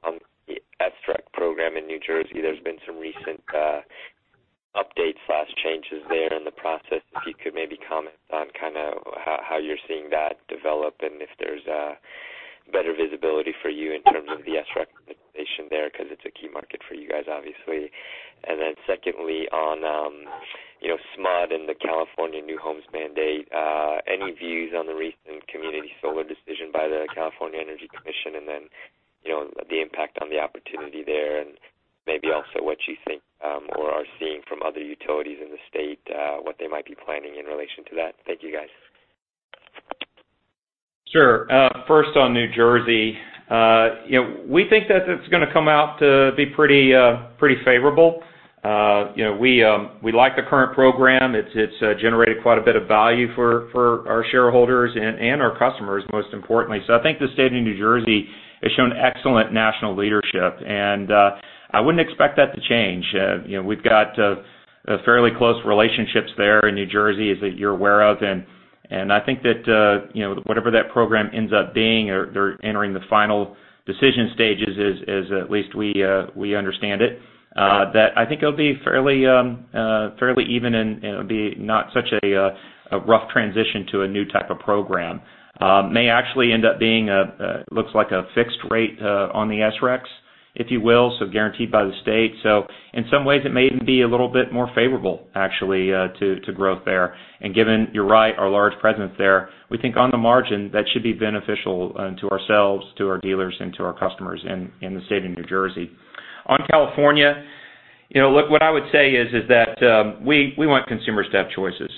On the SREC Program in New Jersey, there's been some recent updates/changes there in the process. If you could maybe comment on how you're seeing that develop and if there's a better visibility for you in terms of the SREC recommendation there, because it's a key market for you guys, obviously. Secondly, on SMUD and the California New Homes Mandate, any views on the recent community solar decision by the California Energy Commission, the impact on the opportunity there? And maybe also what you think or are seeing from other utilities in the state, what they might be planning in relation to that. Thank you guys. Sure. First on New Jersey. We think that it's going to come out to be pretty favorable. We like the current program. It's generated quite a bit of value for our shareholders and our customers, most importantly. I think the state of New Jersey has shown excellent national leadership, and I wouldn't expect that to change. We've got fairly close relationships there in New Jersey, as you're aware of. I think that whatever that program ends up being, they're entering the final decision stages as at least we understand it, that I think it'll be fairly even and it'll be not such a rough transition to a new type of program. May actually end up being looks like a fixed rate on the SRECs, if you will, so guaranteed by the state. In some ways it may even be a little bit more favorable actually to growth there. Given, you're right, our large presence there, we think on the margin that should be beneficial to ourselves, to our dealers, and to our customers in the state of New Jersey. On California, what I would say is that we want consumers to have choices.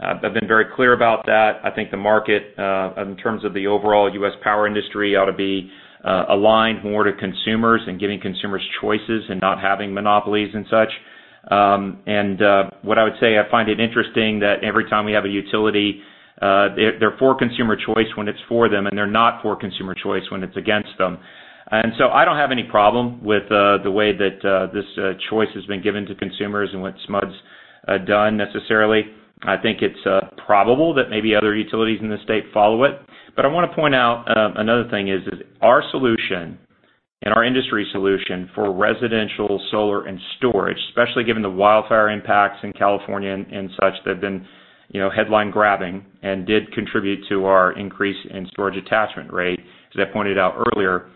I've been very clear about that. I think the market, in terms of the overall U.S. power industry, ought to be aligned more to consumers and giving consumers choices and not having monopolies and such. What I would say, I find it interesting that every time we have a utility, they're for consumer choice when it's for them, and they're not for consumer choice when it's against them. I don't have any problem with the way that this choice has been given to consumers and what SMUD's done necessarily. I think it's probable that maybe other utilities in the state follow it. I want to point out another thing is that our solution and our industry solution for residential solar and storage, especially given the wildfire impacts in California and such that have been headline grabbing and did contribute to our increase in storage attachment rate, as I pointed out earlier.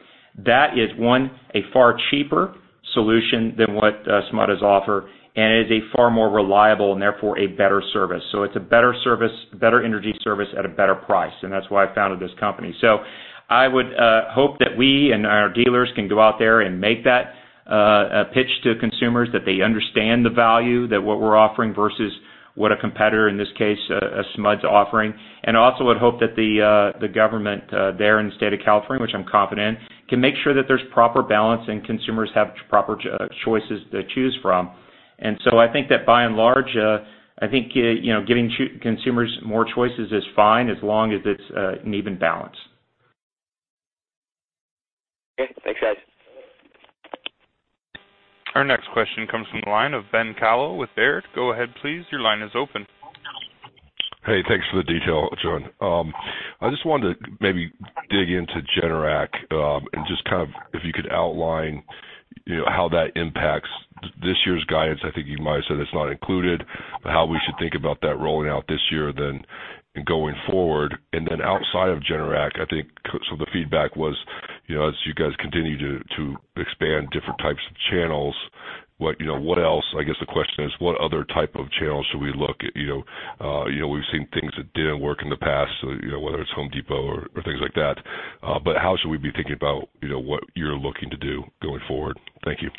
That is one, a far cheaper solution than what SMUD is offer, and it is a far more reliable and therefore a better service. It's a better energy service at a better price, and that's why I founded this company. I would hope that we and our dealers can go out there and make that pitch to consumers, that they understand the value that what we're offering versus what a competitor, in this case SMUD, is offering. Also I'd hope that the government there in the state of California, which I'm confident, can make sure that there's proper balance and consumers have proper choices to choose from. I think that by and large, I think giving consumers more choices is fine as long as it's an even balance. Okay. Thanks, guys. Our next question comes from the line of Ben Kallo with Baird. Go ahead, please. Your line is open. Hey, thanks for the detail, John. I just wanted to maybe dig into Generac and just if you could outline how that impacts this year's guidance. I think you might have said it's not included, how we should think about that rolling out this year then and going forward. Outside of Generac, I think some of the feedback was as you guys continue to expand different types of channels, I guess the question is what other type of channels should we look at? We've seen things that didn't work in the past, whether it's The Home Depot or things like that. How should we be thinking about what you're looking to do going forward? Thank you.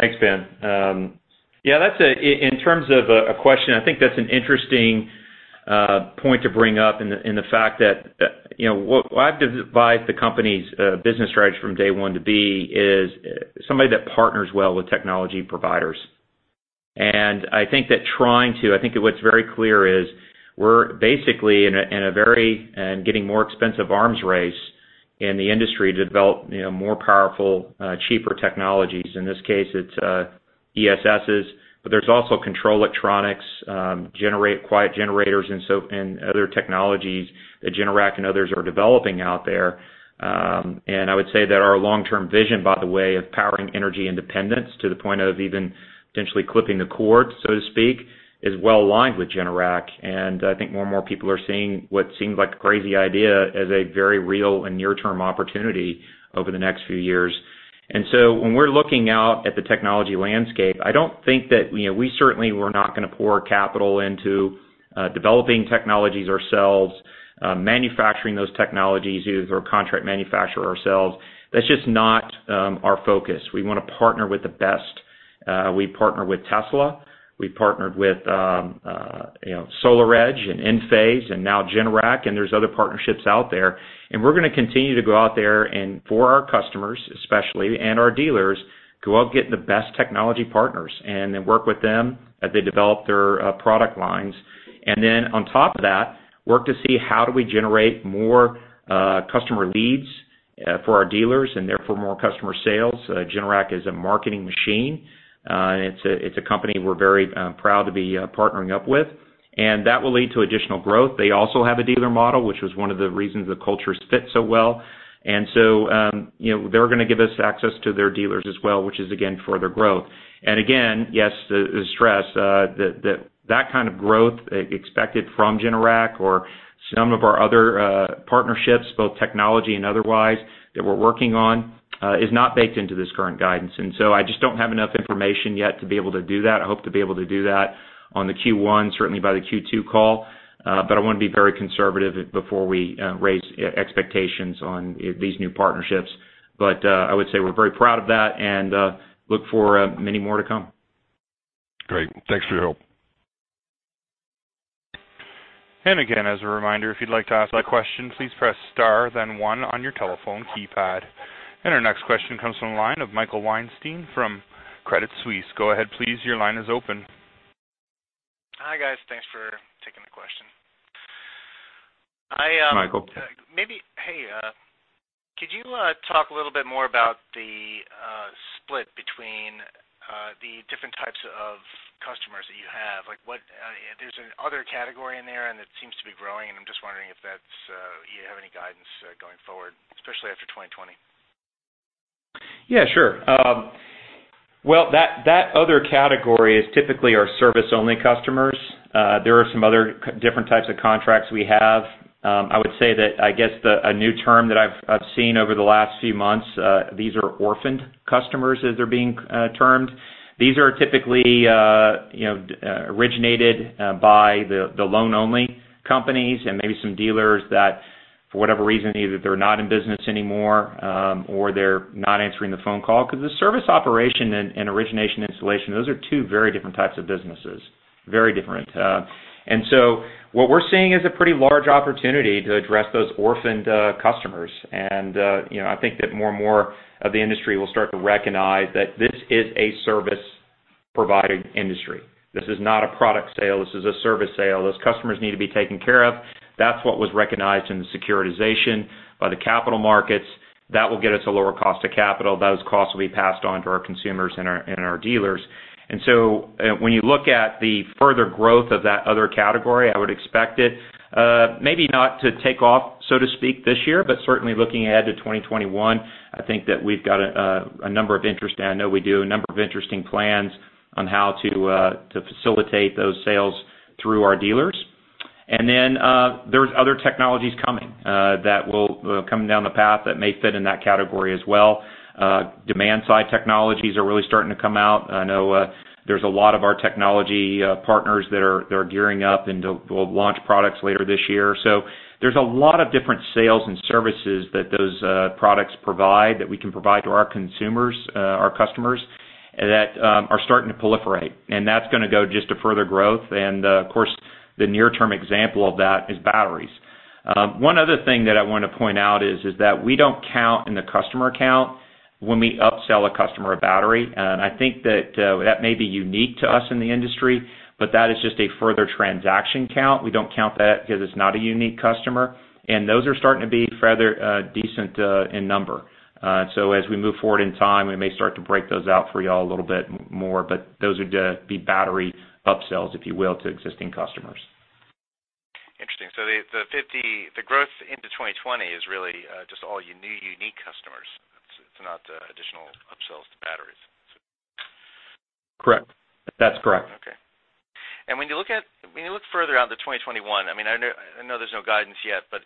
Thanks, Ben. Yeah. In terms of a question, I think that's an interesting point to bring up in the fact that what I've advised the company's business strategists from day one to be is somebody that partners well with technology providers. I think what's very clear is we're basically in a very and getting more expensive arms race in the industry to develop more powerful, cheaper technologies. In this case, it's ESSs. There's also control electronics, quiet generators, and other technologies that Generac and others are developing out there. I would say that our long-term vision, by the way, of powering energy independence to the point of even potentially clipping the cord, so to speak, is well-aligned with Generac. I think more and more people are seeing what seems like a crazy idea as a very real and near-term opportunity over the next few years. When we're looking out at the technology landscape, I don't think that we certainly were not going to pour capital into developing technologies ourselves, manufacturing those technologies either through a contract manufacturer ourselves. That's just not our focus. We want to partner with the best. We partner with Tesla, we partnered with SolarEdge and Enphase and now Generac, and there's other partnerships out there. We're going to continue to go out there and for our customers especially, and our dealers, go out and get the best technology partners and then work with them as they develop their product lines. Then on top of that, work to see how do we generate more customer leads for our dealers and therefore more customer sales. Generac is a marketing machine. It's a company we're very proud to be partnering up with, and that will lead to additional growth. They also have a dealer model, which was one of the reasons the cultures fit so well. So they're going to give us access to their dealers as well, which is again, further growth. Again, yes, to stress that kind of growth expected from Generac or some of our other partnerships, both technology and otherwise, that we're working on is not baked into this current guidance. So I just don't have enough information yet to be able to do that. I hope to be able to do that on the Q1, certainly by the Q2 call. I want to be very conservative before we raise expectations on these new partnerships. I would say we're very proud of that and look for many more to come. Great. Thanks for your help. Again, as a reminder, if you'd like to ask a question, please press star then one on your telephone keypad. Our next question comes from the line of Michael Weinstein from Credit Suisse. Go ahead, please. Your line is open. Hi, guys. Thanks for taking the question. Michael. Hey, could you talk a little bit more about the split between the different types of customers that you have? There's an other category in there, and it seems to be growing, and I'm just wondering if you have any guidance going forward, especially after 2020. That other category is typically our service-only customers. There are some other different types of contracts we have. A new term that I've seen over the last few months, these are orphaned customers as they're being termed. These are typically originated by the loan-only companies and maybe some dealers that for whatever reason, either they're not in business anymore or they're not answering the phone call because the service operation and origination installation, those are two very different types of businesses. Very different. What we're seeing is a pretty large opportunity to address those orphaned customers. I think that more and more of the industry will start to recognize that this is a service-provided industry. This is not a product sale, this is a service sale. Those customers need to be taken care of. That's what was recognized in the securitization by the capital markets. That will get us a lower cost of capital. Those costs will be passed on to our consumers and our dealers. When you look at the further growth of that other category, I would expect it maybe not to take off, so to speak, this year, but certainly looking ahead to 2021, I think that we've got a number of interest, and I know we do, a number of interesting plans on how to facilitate those sales through our dealers. There's other technologies coming that will come down the path that may fit in that category as well. Demand-side technologies are really starting to come out. I know there's a lot of our technology partners that are gearing up and will launch products later this year. There's a lot of different sales and services that those products provide that we can provide to our consumers, our customers, that are starting to proliferate. That's going to go just to further growth. Of course, the near term example of that is batteries. One other thing that I want to point out is that we don't count in the customer count when we upsell a customer a battery. I think that may be unique to us in the industry, but that is just a further transaction count. We don't count that because it's not a unique customer, and those are starting to be fairly decent in number. As we move forward in time, we may start to break those out for you all a little bit more, but those are going to be battery upsells, if you will, to existing customers. Interesting. The growth into 2020 is really just all your new unique customers. It's not additional upsells to batteries. Correct. That's correct. Okay. When you look further out to 2021, I know there's no guidance yet, but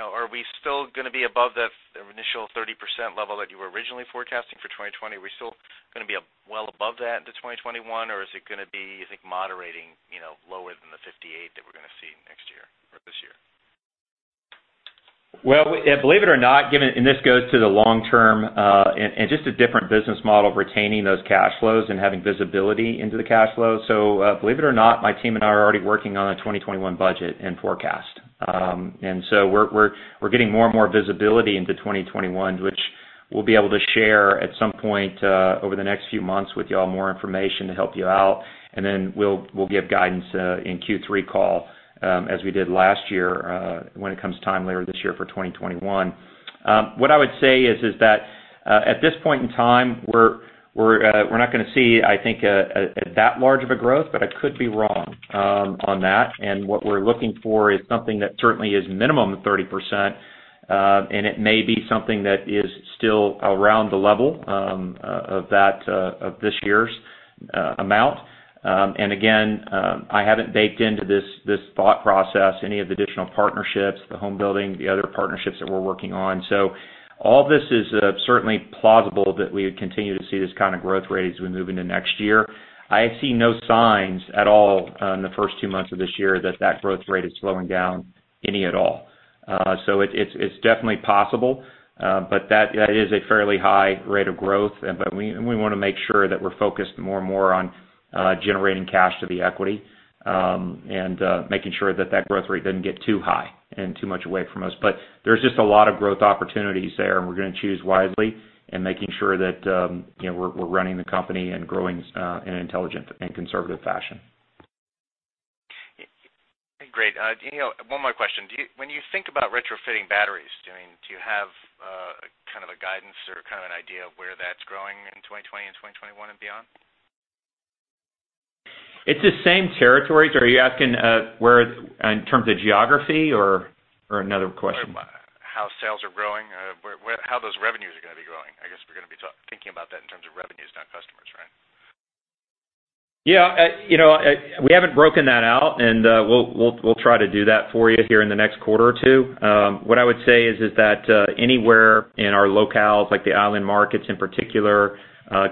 are we still going to be above that initial 30% level that you were originally forecasting for 2020? Are we still going to be well above that into 2021, or is it going to be, you think, moderating lower than the 58% that we're going to see next year? Well, believe it or not, this goes to the long-term, just a different business model of retaining those cash flows and having visibility into the cash flow. Believe it or not, my team and I are already working on a 2021 budget and forecast. We're getting more and more visibility into 2021, which we'll be able to share at some point over the next few months with you all, more information to help you out. We'll give guidance in Q3 call, as we did last year, when it comes time later this year for 2021. What I would say is that, at this point in time, we're not going to see, I think, that large of a growth, I could be wrong on that. What we're looking for is something that certainly is minimum 30%, and it may be something that is still around the level of this year's amount. Again, I haven't baked into this thought process any of the additional partnerships, the home building, the other partnerships that we're working on. All this is certainly plausible that we would continue to see this kind of growth rate as we move into next year. I see no signs at all in the first two months of this year that growth rate is slowing down any at all. It's definitely possible. That is a fairly high rate of growth, but we want to make sure that we're focused more and more on generating cash to the equity, and making sure that that growth rate doesn't get too high and too much away from us. There's just a lot of growth opportunities there, and we're going to choose wisely in making sure that we're running the company and growing in an intelligent and conservative fashion. Great. One more question. When you think about retrofitting batteries, do you have a guidance or an idea of where that's growing in 2020 and 2021 and beyond? It's the same territories. Are you asking in terms of geography or another question? How sales are growing, how those revenues are going to be growing. I guess we're going to be thinking about that in terms of revenues, not customers, right? Yeah. We haven't broken that out, we'll try to do that for you here in the next quarter or two. What I would say is that anywhere in our locales, like the island markets in particular,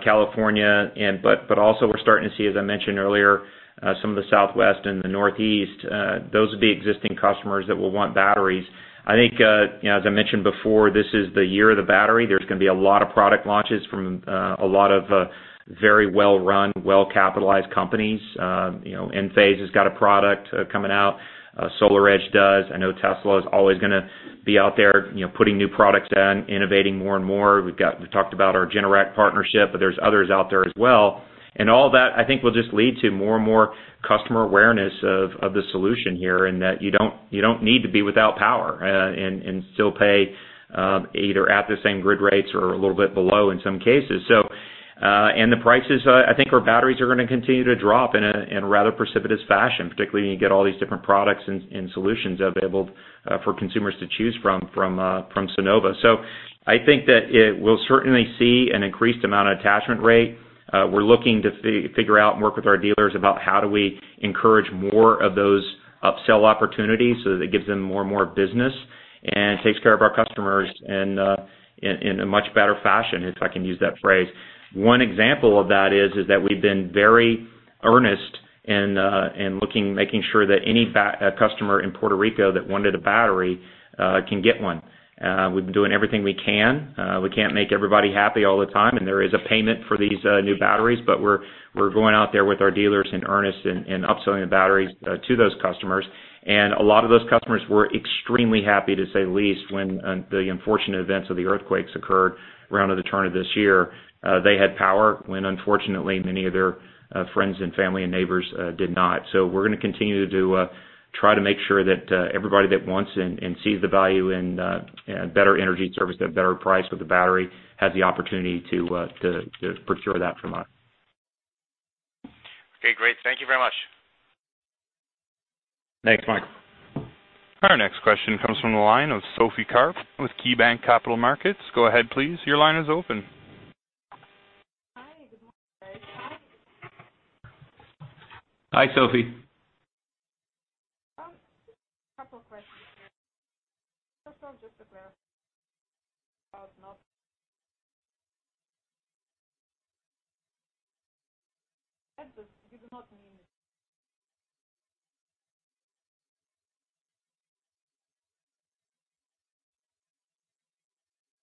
California, but also we're starting to see, as I mentioned earlier, some of the Southwest and the Northeast, those are the existing customers that will want batteries. I think, as I mentioned before, this is the year of the battery. There's going to be a lot of product launches from a lot of very well-run, well-capitalized companies. Enphase has got a product coming out. SolarEdge does. I know Tesla is always going to be out there putting new products in, innovating more and more. We've talked about our Generac partnership, but there's others out there as well. All that, I think, will just lead to more and more customer awareness of the solution here, and that you don't need to be without power and still pay either at the same grid rates or a little bit below in some cases. The prices, I think our batteries are going to continue to drop in a rather precipitous fashion, particularly when you get all these different products and solutions available for consumers to choose from Sunnova. I think that it will certainly see an increased amount of attachment rate. We're looking to figure out and work with our dealers about how do we encourage more of those upsell opportunities so that it gives them more and more business, and takes care of our customers in a much better fashion, if I can use that phrase. One example of that is that we've been very earnest in making sure that any customer in Puerto Rico that wanted a battery can get one. We've been doing everything we can. We can't make everybody happy all the time, and there is a payment for these new batteries, but we're going out there with our dealers in earnest and upselling the batteries to those customers. A lot of those customers were extremely happy, to say the least, when the unfortunate events of the earthquakes occurred around the turn of this year. They had power when unfortunately many of their friends and family and neighbors did not. We're going to continue to try to make sure that everybody that wants and sees the value in better energy service at a better price with the battery has the opportunity to procure that from us. Okay, great. Thank you very much. Thanks, Michael. Our next question comes from the line of Sophie Karp with KeyBanc Capital Markets. Go ahead, please. Your line is open. Hi. Good morning, guys. Hi. Hi, Sophie. Just a couple of questions here. First of all, just to clarify about not You do not mean.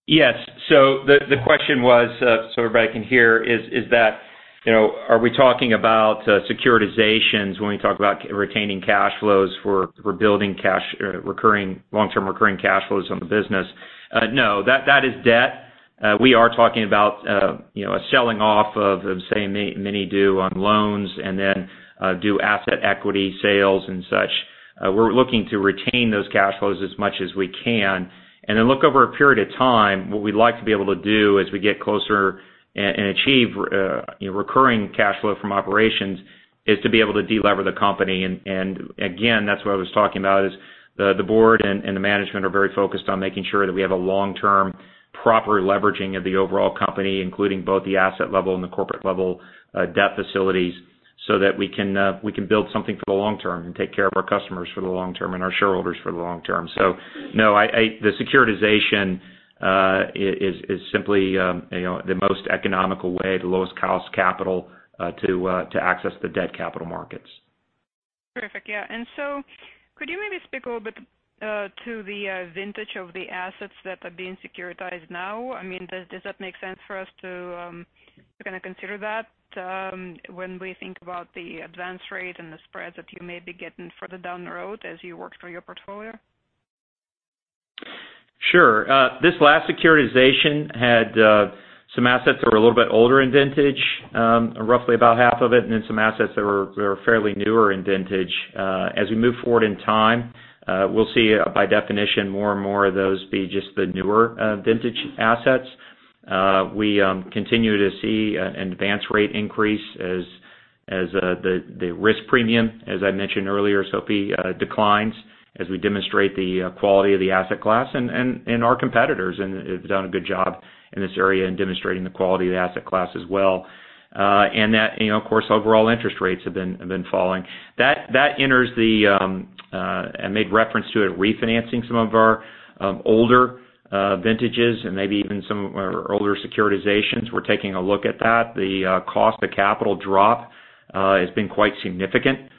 Yes. The question was, so everybody can hear is that, are we talking about securitizations when we talk about retaining cash flows for building long-term recurring cash flows on the business? No. That is debt. We are talking about selling off of, say, many do on loans, and then do asset equity sales and such. We're looking to retain those cash flows as much as we can, and then look over a period of time. What we'd like to be able to do as we get closer and achieve recurring cash flow from operations is to be able to de-lever the company. Again, that's what I was talking about is the board and the management are very focused on making sure that we have a long-term proper leveraging of the overall company, including both the asset level and the corporate level debt facilities, so that we can build something for the long term and take care of our customers for the long term and our shareholders for the long term. No, the securitization is simply the most economical way, the lowest cost capital to access the debt capital markets. Terrific. Yeah. Could you maybe speak a little bit to the vintage of the assets that are being securitized now? Does that make sense for us to consider that when we think about the advance rate and the spreads that you may be getting further down the road as you work through your portfolio? Sure. This last securitization had some assets that were a little bit older in vintage, roughly about half of it, and then some assets that were fairly newer in vintage. As we move forward in time, we'll see by definition, more and more of those be just the newer vintage assets. We continue to see an advance rate increase as the risk premium, as I mentioned earlier, Sophie, declines as we demonstrate the quality of the asset class. Our competitors have done a good job in this area in demonstrating the quality of the asset class as well. Of course, overall interest rates have been falling. I made reference to it, refinancing some of our older vintages and maybe even some of our older securitizations. We're taking a look at that. The cost of capital drop has been quite significant,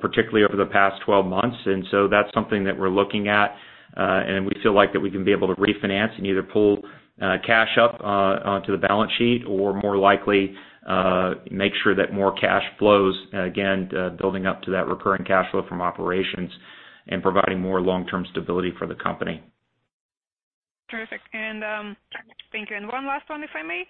particularly over the past 12 months. That's something that we're looking at. We feel like that we can be able to refinance and either pull cash up onto the balance sheet or more likely make sure that more cash flows, again, building up to that recurring cash flow from operations and providing more long-term stability for the company. Terrific. Thank you. One last one, if I may.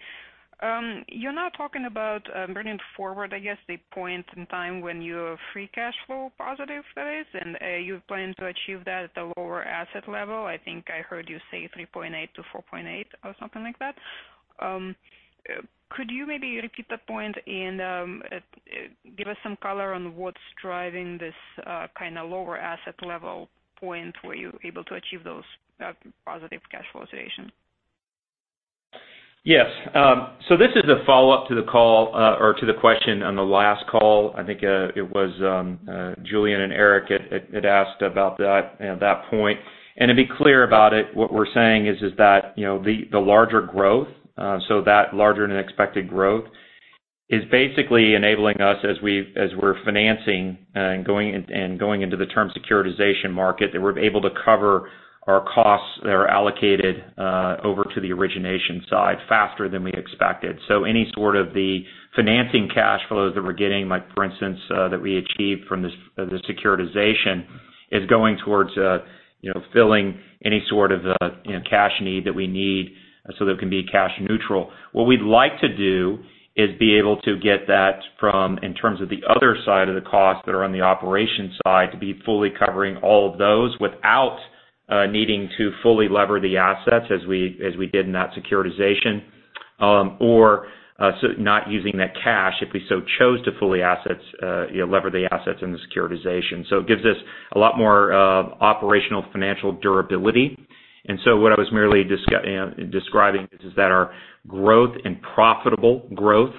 You're now talking about bringing forward, I guess, the point in time when you're free cash flow positive, that is, and you plan to achieve that at a lower asset level. I think I heard you say $3.8-$4.8 or something like that. Could you maybe repeat that point and give us some color on what's driving this kind of lower asset level point where you're able to achieve those positive cash flow situations? Yes. This is a follow-up to the call or to the question on the last call. I think it was Julien and Eric had asked about that and that point. To be clear about it, what we're saying is that the larger growth, that larger than expected growth, is basically enabling us as we're financing and going into the term securitization market, that we're able to cover our costs that are allocated over to the origination side faster than we expected. Any sort of the financing cash flows that we're getting, like for instance, that we achieved from the securitization is going towards filling any sort of cash need that we need so that it can be cash neutral. What we'd like to do is be able to get that from, in terms of the other side of the costs that are on the operations side, to be fully covering all of those without needing to fully lever the assets as we did in that securitization. Or not using that cash if we so chose to fully lever the assets in the securitization. It gives us a lot more operational financial durability. What I was merely describing is that our growth and profitable growth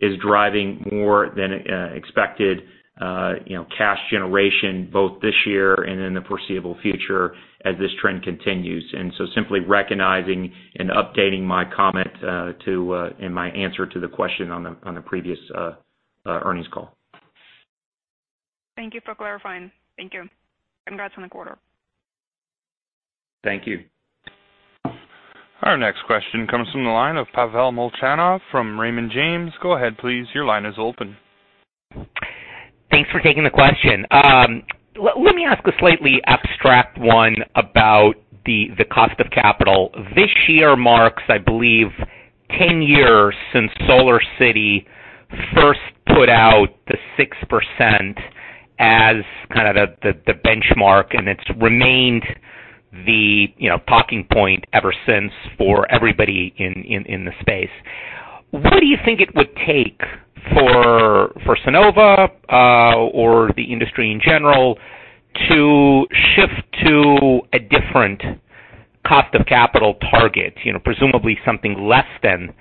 is driving more than expected cash generation both this year and in the foreseeable future as this trend continues. Simply recognizing and updating my comment and my answer to the question on the previous earnings call. Thank you for clarifying. Thank you. Congrats on the quarter. Thank you. Our next question comes from the line of Pavel Molchanov from Raymond James. Go ahead please. Your line is open. Thanks for taking the question. Let me ask a slightly abstract one about the cost of capital. This year marks, I believe, 10 years since SolarCity first put out the 6% as kind of the benchmark, and it's remained the talking point ever since for everybody in the space. What do you think it would take for Sunnova or the industry in general to shift to a different cost of capital target? Presumably something less than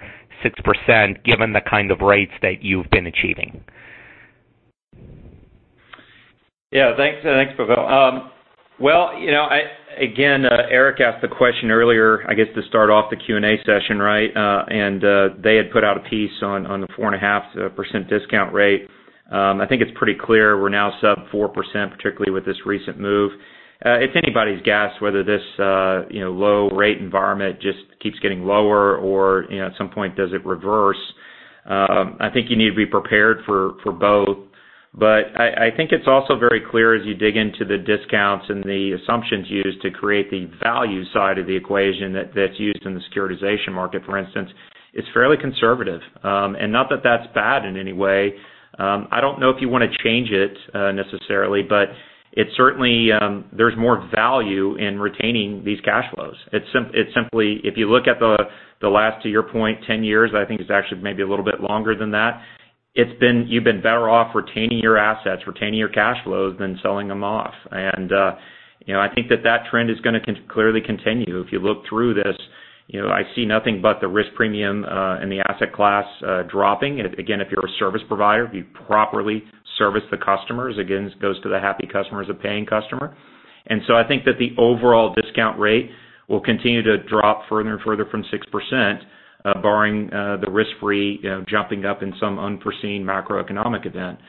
6%, given the kind of rates that you've been achieving. Yeah. Thanks, Pavel. Well, again, Eric asked the question earlier, I guess, to start off the Q&A session, right? They had put out a piece on the 4.5% discount rate. I think it's pretty clear we're now sub 4%, particularly with this recent move. It's anybody's guess whether this low rate environment just keeps getting lower or at some point does it reverse. I think you need to be prepared for both. I think it's also very clear as you dig into the discounts and the assumptions used to create the value side of the equation that's used in the securitization market, for instance, it's fairly conservative. Not that's bad in any way. I don't know if you want to change it necessarily, but certainly there's more value in retaining these cash flows. It's simply, if you look at the last, to your point, 10-years, I think it's actually maybe a little bit longer than that. You've been better off retaining your assets, retaining your cash flows than selling them off. I think that trend is going to clearly continue. If you look through this, I see nothing but the risk premium and the asset class dropping. Again, if you're a service provider, if you properly service the customers, again, it goes to the happy customer is a paying customer. I think that the overall discount rate will continue to drop further and further from 6%, barring the risk-free jumping up in some unforeseen macroeconomic event.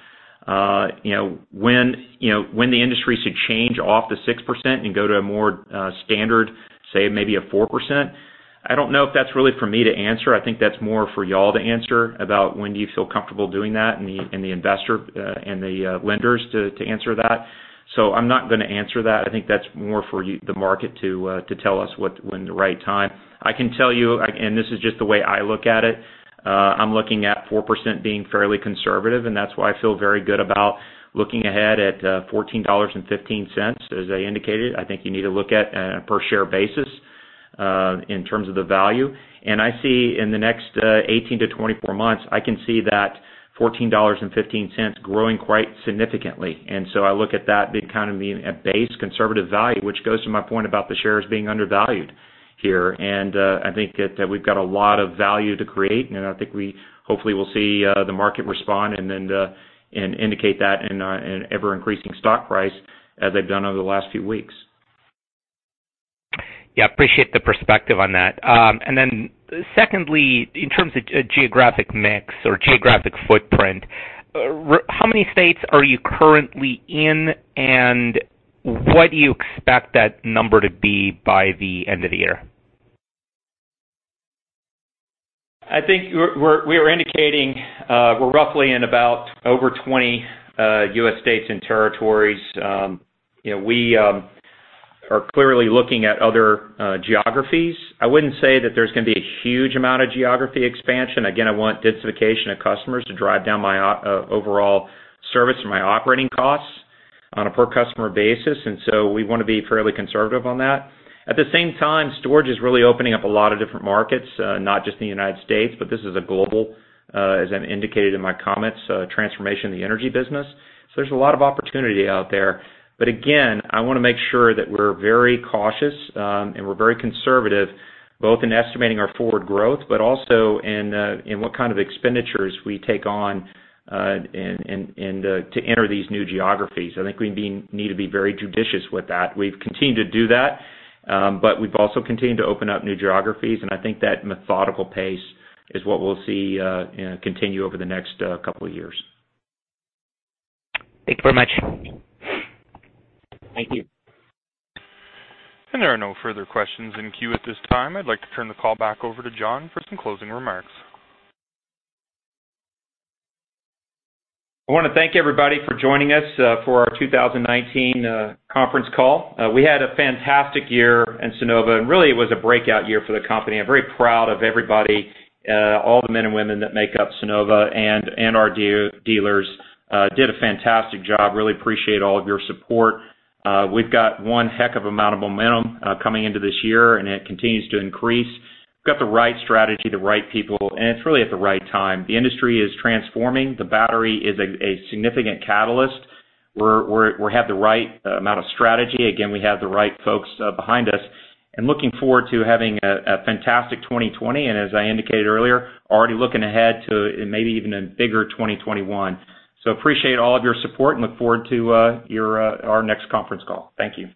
When the industry should change off to 6% and go to a more standard, say, maybe a 4%, I don't know if that's really for me to answer. I think that's more for you all to answer about when do you feel comfortable doing that, and the investor and the lenders to answer that. I'm not going to answer that. I think that's more for the market to tell us when the right time. I can tell you, and this is just the way I look at it, I'm looking at 4% being fairly conservative, and that's why I feel very good about looking ahead at $14.15, as I indicated. I think you need to look at it on a per share basis in terms of the value. I see in the next 18-24 months, I can see that $14.15 growing quite significantly. I look at that being kind of being a base conservative value, which goes to my point about the shares being undervalued here. I think that we've got a lot of value to create, and I think we hopefully will see the market respond and indicate that in ever-increasing stock price as they've done over the last few weeks. Yeah, appreciate the perspective on that. Secondly, in terms of geographic mix or geographic footprint, how many states are you currently in, and what do you expect that number to be by the end of the year? I think we're indicating we're roughly in about over 20 U.S. and territories. We are clearly looking at other geographies. I wouldn't say that there's going to be a huge amount of geography expansion. I want densification of customers to drive down my overall service and my operating costs on a per customer basis. We want to be fairly conservative on that. At the same time, storage is really opening up a lot of different markets, not just in the U.S., but this is a global, as I indicated in my comments, transformation of the energy business. There's a lot of opportunity out there. I want to make sure that we're very cautious and we're very conservative, both in estimating our forward growth, but also in what kind of expenditures we take on to enter these new geographies. I think we need to be very judicious with that. We've continued to do that, but we've also continued to open up new geographies, and I think that methodical pace is what we'll see continue over the next couple of years. Thank you very much. Thank you. There are no further questions in queue at this time. I'd like to turn the call back over to John for some closing remarks. I want to thank everybody for joining us for our 2019 conference call. We had a fantastic year in Sunnova, and really it was a breakout year for the company. I'm very proud of everybody, all the men and women that make up Sunnova, and our dealers did a fantastic job. Really appreciate all of your support. We've got one heck of amount of momentum coming into this year, and it continues to increase. We've got the right strategy, the right people, and it's really at the right time. The industry is transforming. The battery is a significant catalyst. We have the right amount of strategy. Again, we have the right folks behind us and looking forward to having a fantastic 2020, and as I indicated earlier, already looking ahead to maybe even a bigger 2021. Appreciate all of your support and look forward to our next conference call. Thank you.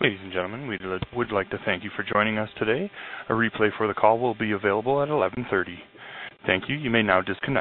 Ladies and gentlemen, we would like to thank you for joining us today. A replay for the call will be available at 11:30. Thank you. You may now disconnect.